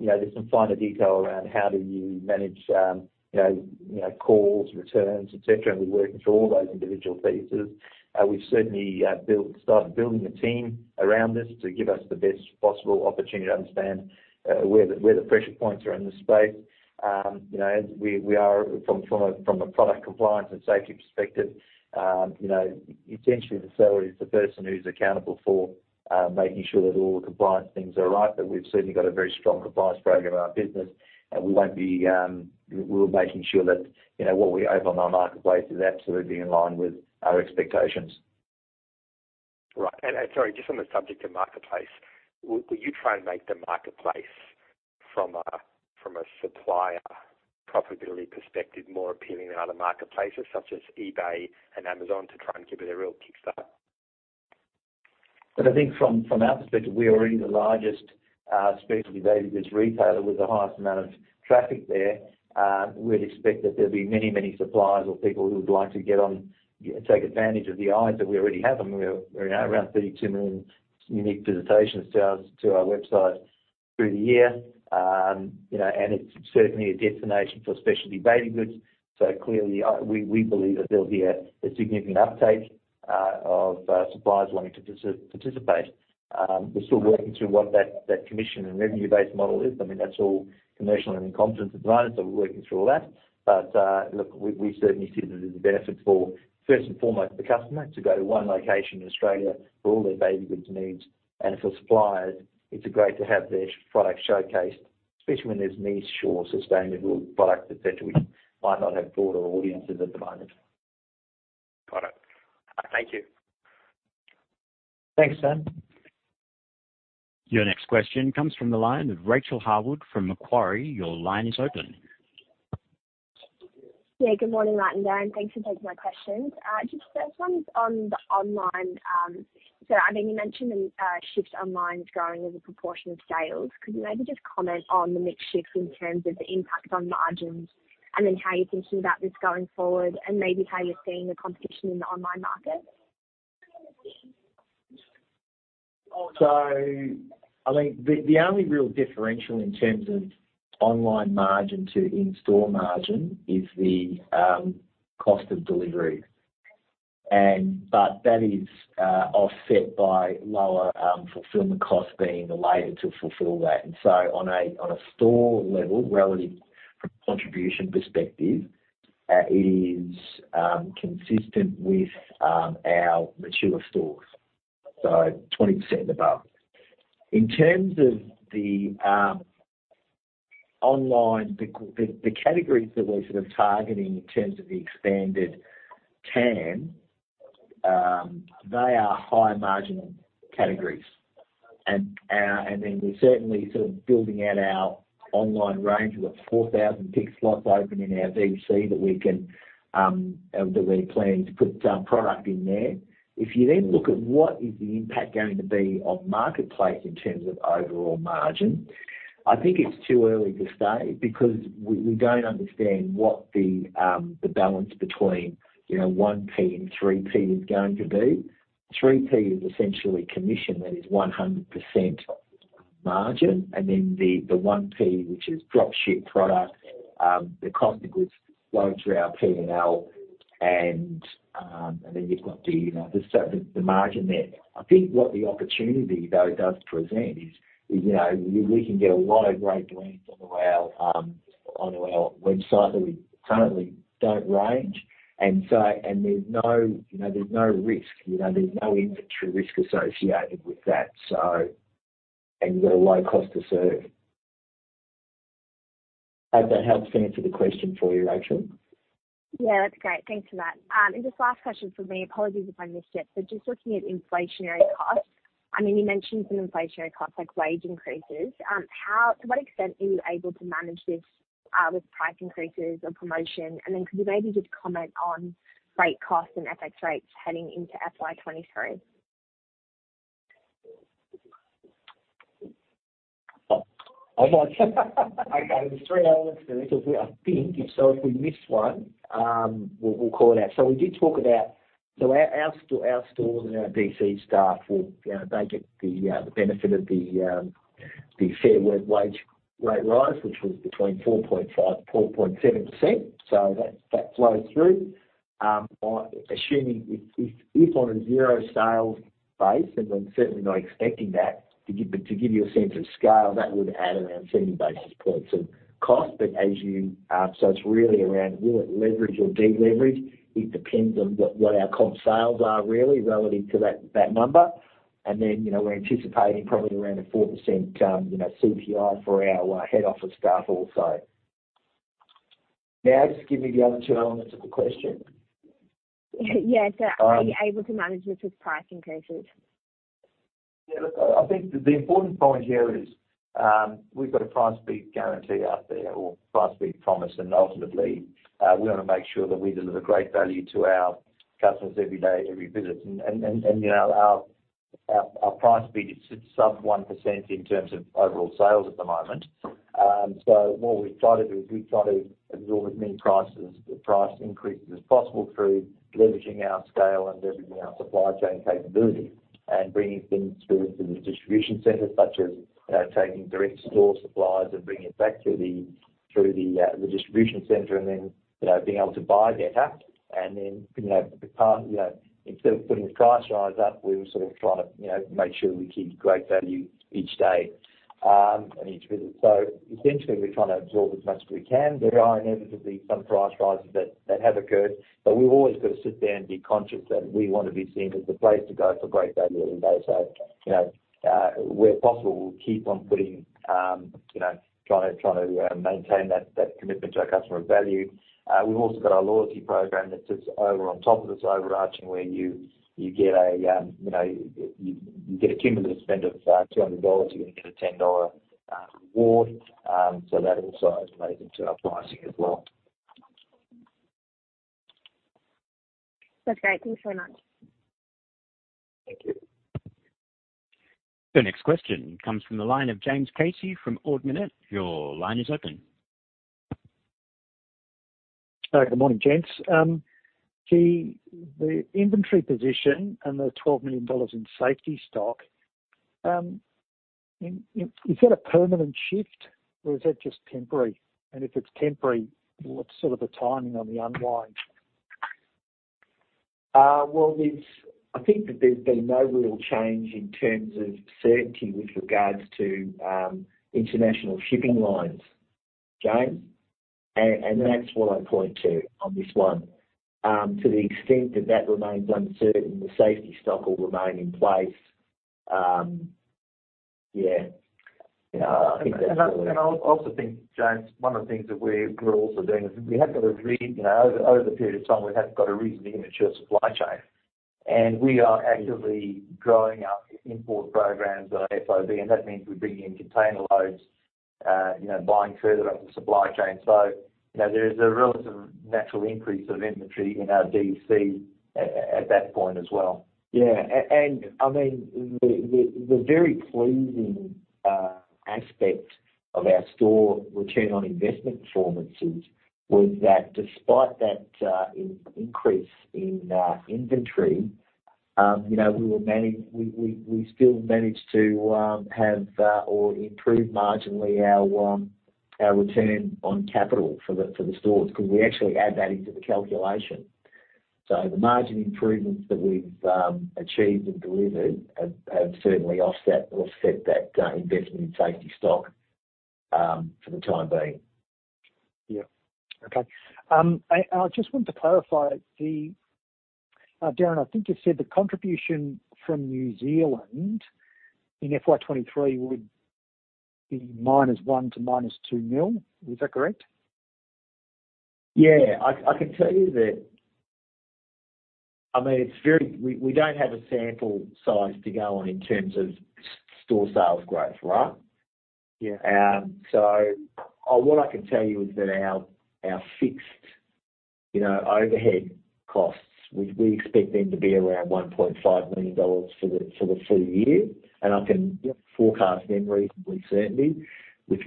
You know, there's some finer detail around how do you manage you know, calls, returns, et cetera, and we're working through all those individual pieces. We've certainly started building a team around this to give us the best possible opportunity to understand where the pressure points are in this space. You know, as we are from a product compliance and safety perspective, you know, essentially the seller is the person who's accountable for making sure that all the compliance things are right, but we've certainly got a very strong compliance program in our business, and we won't be. We're making sure that, you know, what we open on our marketplace is absolutely in line with our expectations. Right. Sorry, just on the subject of marketplace, will you try and make the marketplace from a supplier profitability perspective more appealing than other marketplaces such as eBay and Amazon to try and give it a real kickstart? I think from our perspective, we are already the largest specialty baby goods retailer with the highest amount of traffic there. We'd expect that there'll be many suppliers or people who would like to get on, take advantage of the eyes that we already have. We're around 32 million unique visitations to our website through the year, you know, and it's certainly a destination for specialty baby goods. Clearly, we believe that there'll be a significant uptake of suppliers wanting to participate. We're still working through what that commission and revenue-based model is. I mean, that's all commercial and in confidence at the moment, so we're working through all that. Look, we certainly see that there's a benefit for, first and foremost, the customer to go to one location in Australia for all their baby goods needs. For suppliers, it's great to have their products showcased, especially when there's niche or sustainable products et cetera, which might not have broader audiences at the moment. Got it. Thank you. Thanks, Sam. Your next question comes from the line of Rachael Harwood from Macquarie. Your line is open. Yeah, good morning, Matt and Darin thanks for taking my questions. Just first one is on the online. I know you mentioned the shift to online is growing as a proportion of sales. Could you maybe just comment on the mix shift in terms of the impact on margins, and then how you're thinking about this going forward, and maybe how you're seeing the competition in the online market? I think the only real differential in terms of online margin to in-store margin is the cost of delivery. That is offset by lower fulfillment costs being related to fulfill that. On a store level, relative contribution perspective, it is consistent with our mature stores, so 20% above. In terms of the online, the categories that we're sort of targeting in terms of the expanded TAM, they are higher marginal categories. Then we're certainly sort of building out our online range. We've got 4,000 pick slots open in our DC that we're planning to put product in there. If you then look at what is the impact going to be on marketplace in terms of overall margin, I think it's too early to say because we don't understand what the balance between, you know, 1P and 3P is going to be. 3P is essentially commission that is 100% margin, and then the 1P, which is drop ship product, the cost of goods flowing through our PNL and then you've got the, you know, the margin there. I think what the opportunity though does present is, you know, we can get a lot of great brands onto our website that we currently don't range. There's no, you know, there's no risk, you know, there's no inventory risk associated with that. You've got a low cost to serve. Has that helped to answer the question for you, Rachael? Yeah. That's great. Thanks for that. Just last question from me. Apologies if I missed it, but just looking at inflationary costs, I mean, you mentioned some inflationary costs like wage increases. To what extent are you able to manage this with price increases or promotion? And then could you maybe just comment on freight costs and FX rates heading into FY23? There's three elements there which I think, so if we miss one, we'll call it out. We did talk about our stores and our DC staff will they get the benefit of the Fair Work wage rate rise, which was between 4.5%-4.7%. That flows through. Assuming if on a zero sales base, and we're certainly not expecting that, to give you a sense of scale, that would add around 70 basis points of cost. But as you. It's really around will it leverage or de-leverage? It depends on what our comp sales are really relative to that number. You know, we're anticipating probably around a 4% CPI for our head office staff also. Now just give me the other two elements of the question. Yeah. Are you able to manage this with price increases? Yeah, look, I think the important point here is, we've got a price beat guarantee out there or price beat promise. Ultimately, we wanna make sure that we deliver great value to our customers every day, every visit. You know, our price beat is sub 1% in terms of overall sales at the moment. So what we try to do is we try to absorb as many price increases as possible through leveraging our scale and leveraging our supply chain capability and bringing things through into the distribution center, such as, you know, taking direct store supplies and bringing it back through the distribution center, and then, you know, being able to buy better. Instead of putting the price rise up, we were sort of trying to, you know, make sure we keep great value each day, and each visit. Essentially, we're trying to absorb as much as we can. There are inevitably some price rises that have occurred, but we've always got to sit down and be conscious that we want to be seen as the place to go for great value every day. You know, where possible, we'll keep on putting, you know, trying to maintain that commitment to our customer of value. We've also got our loyalty program that sits over on top of this overarching, where you get a cumulative spend of 200 dollars, you're gonna get a 10 dollar award. That also plays into our pricing as well. That's great. Thanks very much. Thank you. The next question comes from the line of James Casey from Ord Minnett. Your line is open. Good morning, gents. The inventory position and the 12 million dollars in safety stock, is that a permanent shift or is that just temporary? If it's temporary, what's sort of the timing on the unwind? Well, I think that there's been no real change in terms of certainty with regards to international shipping lines, James. And that's what I point to on this one. Yeah. You know, I think that's I also think, James, one of the things that we're also doing is we have got you know, over the period of time, we have got a reasonably immature supply chain. We are actively growing our import programs on FOB, and that means we're bringing in container loads, you know, buying further up the supply chain. You know, there is a relative natural increase of inventory in our DC at that point as well. I mean, the very pleasing aspect of our store return on investment performances was that despite that increase in inventory, you know, we still managed to have or improve marginally our return on capital for the stores 'cause we actually add that into the calculation. The margin improvements that we've achieved and delivered have certainly offset or set that investment in safety stock for the time being. I just want to clarify, Darin, I think you said the contribution from New Zealand in FY23 would be -1 million to -2 million. Is that correct? Yeah. I can tell you that. I mean, we don't have a sample size to go on in terms of store sales growth, right? Yeah. What I can tell you is that our fixed, you know, overhead costs, we expect them to be around 1.5 million dollars for the full year, and I can forecast them with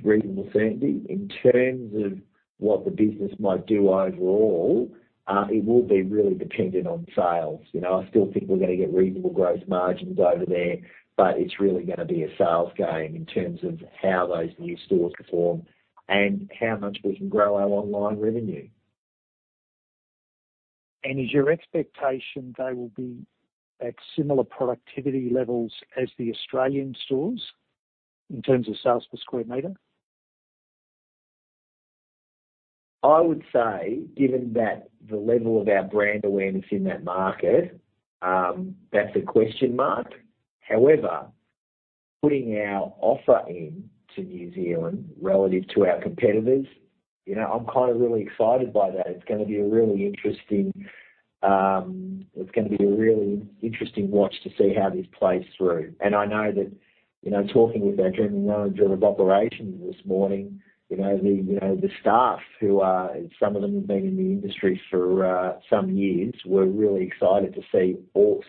reasonable certainty. In terms of what the business might do overall, it will be really dependent on sales. You know, I still think we're gonna get reasonable growth margins over there, but it's really gonna be a sales game in terms of how those new stores perform and how much we can grow our online revenue. Is your expectation they will be at similar productivity levels as the Australian stores in terms of sales per m²? I would say given that the level of our brand awareness in that market, that's a question mark. However, putting our offer in to New Zealand relative to our competitors, you know, I'm kind of really excited by that. It's gonna be a really interesting watch to see how this plays through. I know that, you know, talking with our general manager of operations this morning, you know, the staff, some of them have been in the industry for some years, were really excited to see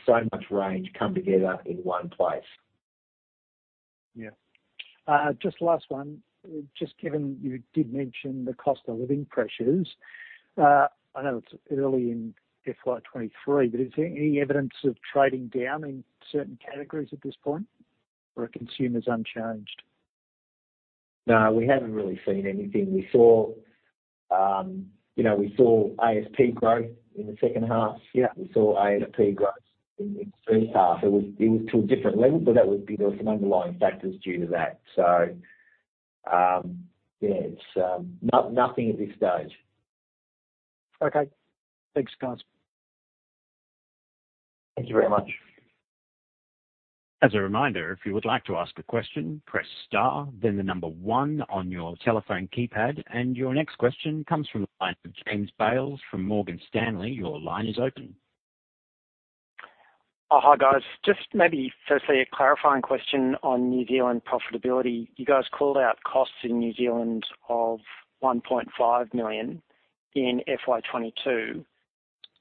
so much range come together in one place. Yeah. Just last one. Just given you did mention the cost of living pressures, I know it's early in FY23, but is there any evidence of trading down in certain categories at this point, or are consumers unchanged? No, we haven't really seen anything. We saw, you know, ASP growth in the second half. Yeah. We saw ASP growth in the first half. It was to a different level, but that would be there was some underlying factors due to that. Yeah, it's nothing at this stage. Okay. Thanks, guys. Thank you very much. As a reminder, if you would like to ask a question, press star then the number one on your telephone keypad. Your next question comes from the line of James Bales from Morgan Stanley. Your line is open. Hi, guys. Just maybe firstly a clarifying question on New Zealand profitability. You guys called out costs in New Zealand of 1.5 million in FY22.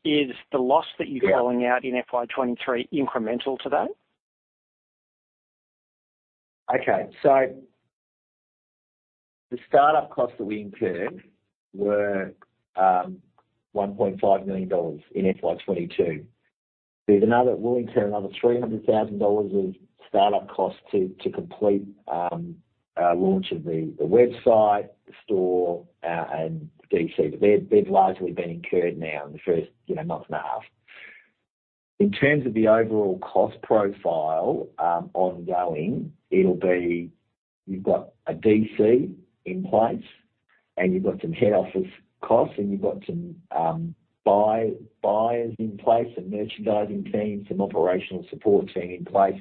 Is the loss that you're- Yeah. Calling out in FY23 incremental to that? Okay. The start-up costs that we incurred were 1.5 million dollars in FY22. We'll incur another 300,000 dollars of start-up costs to complete our launch of the website, the store, and DC. But they've largely been incurred now in the first, you know, month and a half. In terms of the overall cost profile, ongoing, it'll be you've got a DC in place, and you've got some head office costs, and you've got some buyers in place and merchandising teams, some operational support team in place.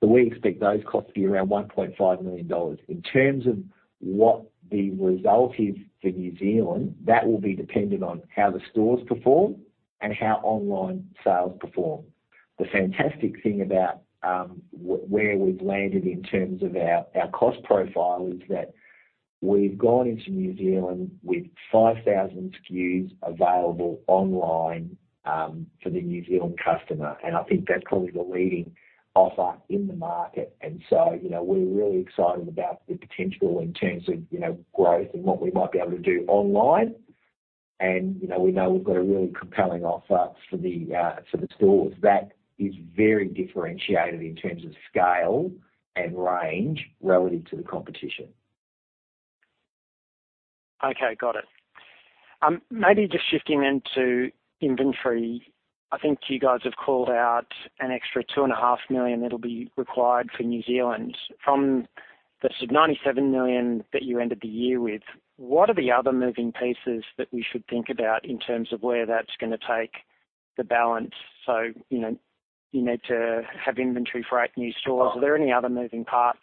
We expect those costs to be around 1.5 million dollars. In terms of what the result is for New Zealand, that will be dependent on how the stores perform and how online sales perform. The fantastic thing about where we've landed in terms of our cost profile is that we've gone into New Zealand with 5,000 SKUs available online for the New Zealand customer, and I think that's probably the leading offer in the market. You know, we're really excited about the potential in terms of growth and what we might be able to do online. You know, we know we've got a really compelling offer for the stores that is very differentiated in terms of scale and range relative to the competition. Okay, got it. Maybe just shifting into inventory. I think you guys have called out an extra 2.5 million that'll be required for New Zealand from the sort of 97 million that you ended the year with. What are the other moving pieces that we should think about in terms of where that's gonna take the balance? You know, you need to have inventory for eight new stores. Are there any other moving parts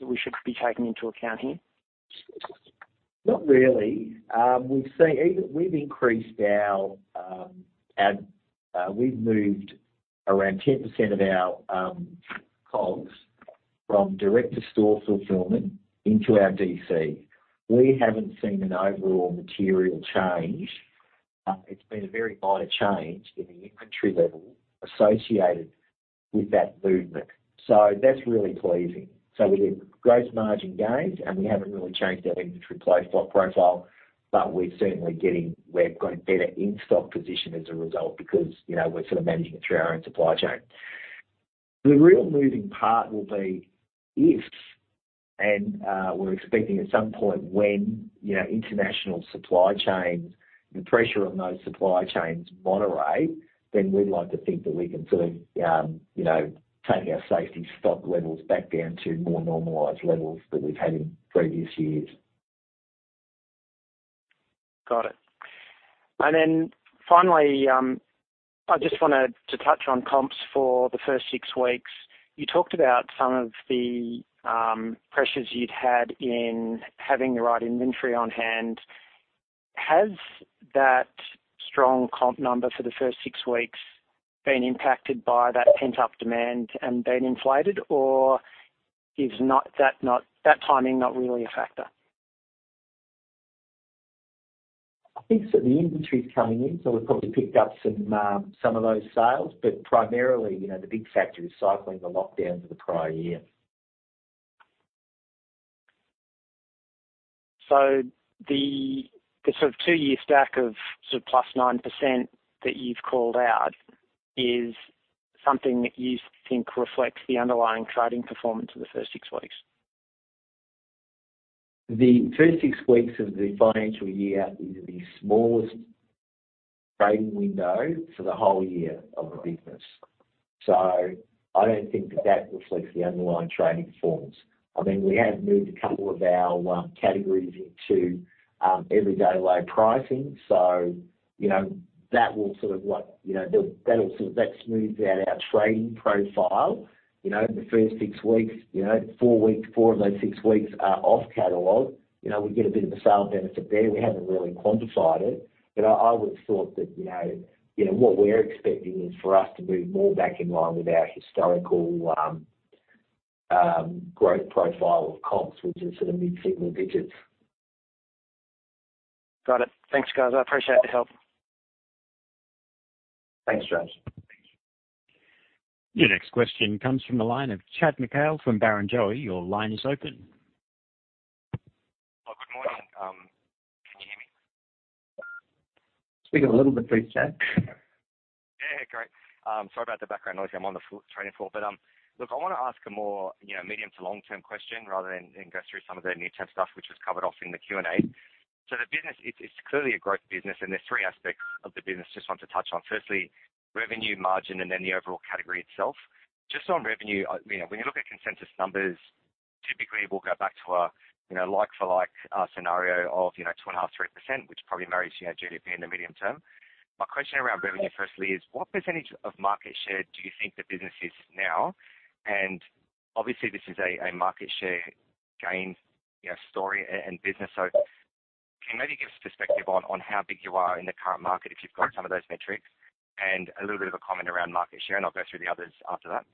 that we should be taking into account here? Not really. We've moved around 10% of our costs from direct-to-store fulfillment into our DC. We haven't seen an overall material change. It's been a very minor change in the inventory level associated with that movement. That's really pleasing. We did gross margin gains, and we haven't really changed our inventory play stock profile, but we've got a better in-stock position as a result because, you know, we're sort of managing it through our own supply chain. The real moving part will be. We're expecting at some point when, you know, the pressure on those international supply chains moderates, then we'd like to think that we can sort of, you know, take our safety stock levels back down to more normalized levels that we've had in previous years. Got it. Finally, I just wanted to touch on comps for the first six weeks. You talked about some of the pressures you'd had in having the right inventory on hand. Has that strong comp number for the first six weeks been impacted by that pent-up demand and been inflated or is that timing not really a factor? I think some of the inventory is coming in, so we've probably picked up some of those sales. Primarily, you know, the big factor is cycling the lockdowns of the prior year. The sort of two-year stack of sort of +9% that you've called out is something that you think reflects the underlying trading performance of the first six weeks. The first six weeks of the financial year is the smallest trading window for the whole year of the business. I don't think that reflects the underlying trading performance. I mean, we have moved a couple of our categories into every day low pricing. You know, that will sort of like, you know, that smooths out our trading profile. You know, the first six weeks, you know, four weeks, four of those six weeks are off catalog. You know, we get a bit of a sales benefit there. We haven't really quantified it, but I would have thought that, you know, what we're expecting is for us to move more back in line with our historical growth profile of comps, which is sort of mid-single digits%. Got it. Thanks, guys. I appreciate the help. Thanks, James. Your next question comes from the line of Chad Mikhael from Barrenjoey. Your line is open. Good morning. Can you hear me? Speaking a little bit briefly, Chad. Yeah. Great. Sorry about the background noise. I'm on the trading floor. Look, I wanna ask a more, you know, medium to long-term question rather than go through some of the near-term stuff which was covered off in the Q&A. The business, it's clearly a growth business, and there's three aspects of the business just want to touch on. Firstly, revenue margin and then the overall category itself. Just on revenue, you know, when you look at consensus numbers, typically we'll go back to a, you know, like for like scenario of, you know, 2.5%-3%, which probably mirrors, you know, GDP in the medium term. My question around revenue firstly is what percentage of market share do you think the business is now? Obviously this is a market share gain, you know, story and business. Can you maybe give us perspective on how big you are in the current market, if you've got some of those metrics, and a little bit of a comment around market share, and I'll go through the others after that?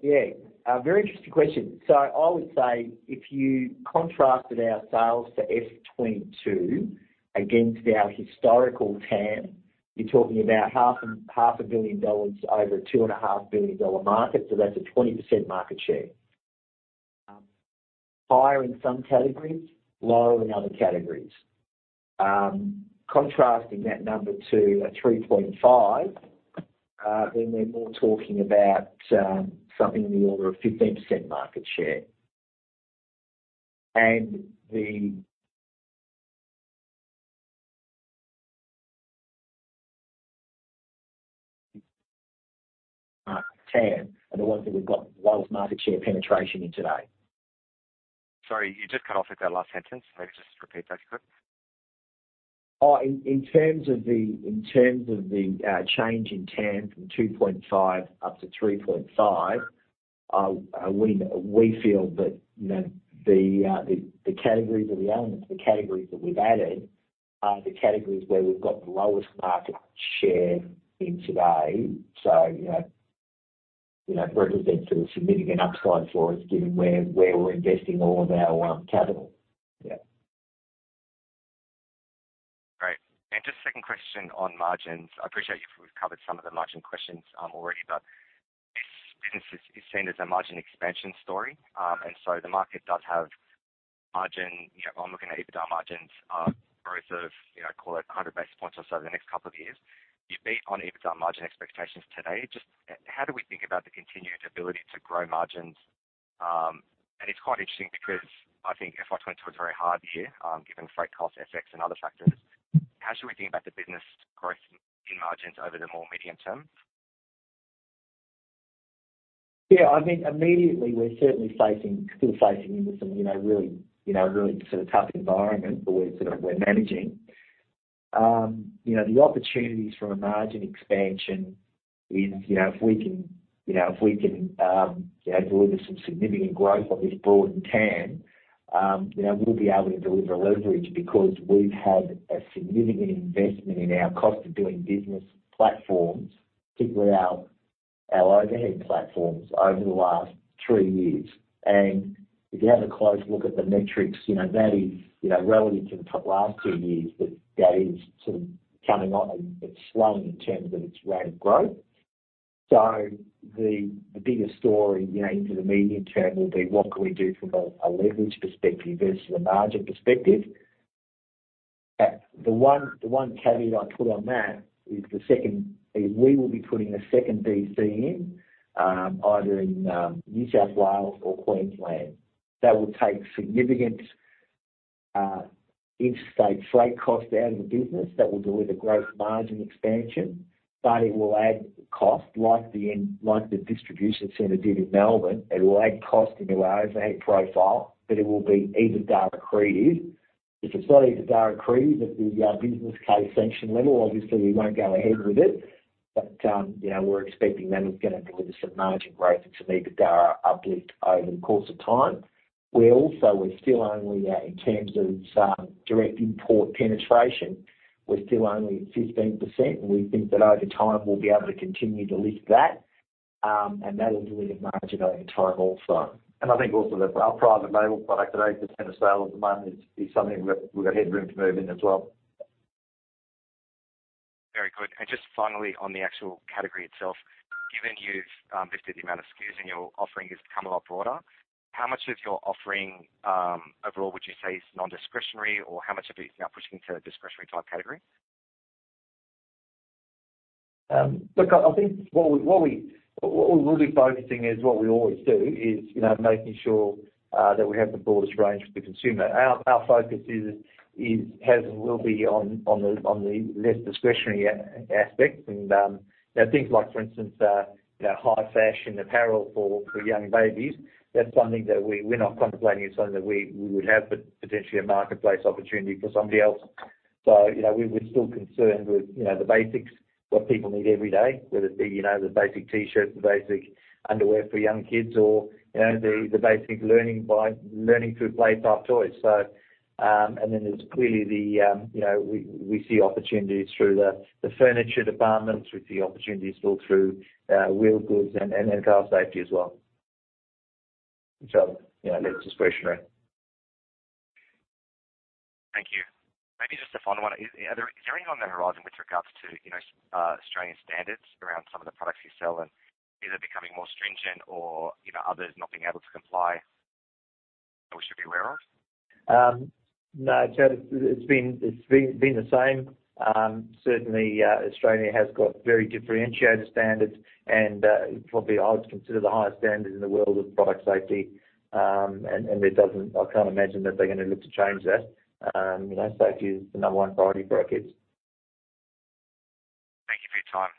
Yeah. A very interesting question. I would say if you contrasted our sales to FY22 against our historical TAM, you're talking about half a billion dollars over a 2.5 billion-dollar market. That's a 20% market share. Higher in some categories, lower in other categories. Contrasting that number to a 3.5, then we're more talking about something in the order of 15% market share. The TAM are the ones that we've got lowest market share penetration in today. Sorry, you just cut off at that last sentence. Maybe just repeat that quick. In terms of the change in TAM from 2.5 up to 3.5, we feel that, you know, the categories or the elements, the categories that we've added are the categories where we've got the lowest market share in today. You know, it represents a significant upside for us given where we're investing all of our capital. Yeah. Great. Just second question on margins. I appreciate you've covered some of the margin questions already, but this business is seen as a margin expansion story. The market does have margin. You know, I'm looking at EBITDA margins growth of, you know, call it 100 basis points or so in the next couple of years. You beat on EBITDA margin expectations today. How do we think about the continued ability to grow margins? It's quite interesting because I think FY22 was a very hard year given freight costs, FX, and other factors. How should we think about the business growth in margins over the more medium term? Yeah, I think immediately we're certainly facing, still facing into some, you know, really, you know, really sort of tough environment where we're sort of managing. You know, the opportunities for a margin expansion is, you know, if we can, you know, deliver some significant growth off this broad term, you know, we'll be able to deliver leverage because we've had a significant investment in our cost of doing business platforms, particularly our overhead platforms over the last three years. If you have a close look at the metrics, you know, that is, you know, relative to the last two years, that is sort of coming on and it's slowing in terms of its rate of growth. The bigger story, you know, into the medium term will be what we can do from a leverage perspective versus a margin perspective. The one caveat I put on that is we will be putting a second DC in either in New South Wales or Queensland. That will take significant interstate freight cost out of the business. That will deliver growth margin expansion, but it will add cost like the distribution center did in Melbourne. It will add cost into our overhead profile, but it will be EBITDA accretive. If it's not EBITDA accretive at the business case sanction level, obviously we won't go ahead with it. You know, we're expecting that is gonna deliver some margin growth and some EBITDA uplift over the course of time. We're still only in terms of direct import penetration at 15%, and we think that over time we'll be able to continue to lift that, and that'll deliver margin over time also. I think also that our private label product that 8% of sales at the moment is something we've got headroom to move in as well. Very good. Just finally on the actual category itself, given you've listed the amount of SKUs in your offering has become a lot broader, how much of your offering overall would you say is nondiscretionary or how much of it is now pushing to a discretionary type category? Look, I think what we're really focusing is what we always do is, you know, making sure that we have the broadest range for the consumer. Our focus is, has and will be on the less discretionary aspect. You know, things like for instance, you know, high fashion apparel for young babies, that's something that we're not contemplating. It's something that we would have potentially a marketplace opportunity for somebody else. You know, we're still concerned with, you know, the basics, what people need every day, whether it be, you know, the basic T-shirts, the basic underwear for young kids or, you know, the basic learning through play type toys. There's clearly, you know, we see opportunities through the furniture departments. We see opportunities still through wheel goods and car safety as well, which are, you know, less discretionary. Thank you. Maybe just a final one. Is there anything on the horizon with regards to, you know, Australian standards around some of the products you sell and either becoming more stringent or, you know, others not being able to comply that we should be aware of? No, Chad, it's been the same. Certainly, Australia has got very differentiated standards and it's probably I would consider the highest standard in the world of product safety. It doesn't. I can't imagine that they're gonna look to change that. You know, safety is the number one priority for our kids. Thank you for your time.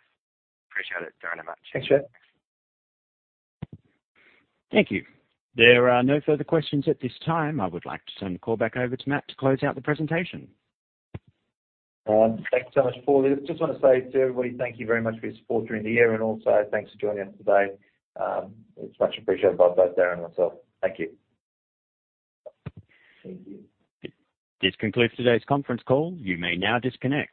Appreciate it. Darin, I much. Thanks, Chad. Thank you. There are no further questions at this time. I would like to turn the call back over to Matt to close out the presentation. Thank you so much, Paul. I just wanna say to everybody thank you very much for your support during the year and also thanks for joining us today. It's much appreciated by both Darin and myself. Thank you. Thank you. This concludes today's conference call. You may now disconnect.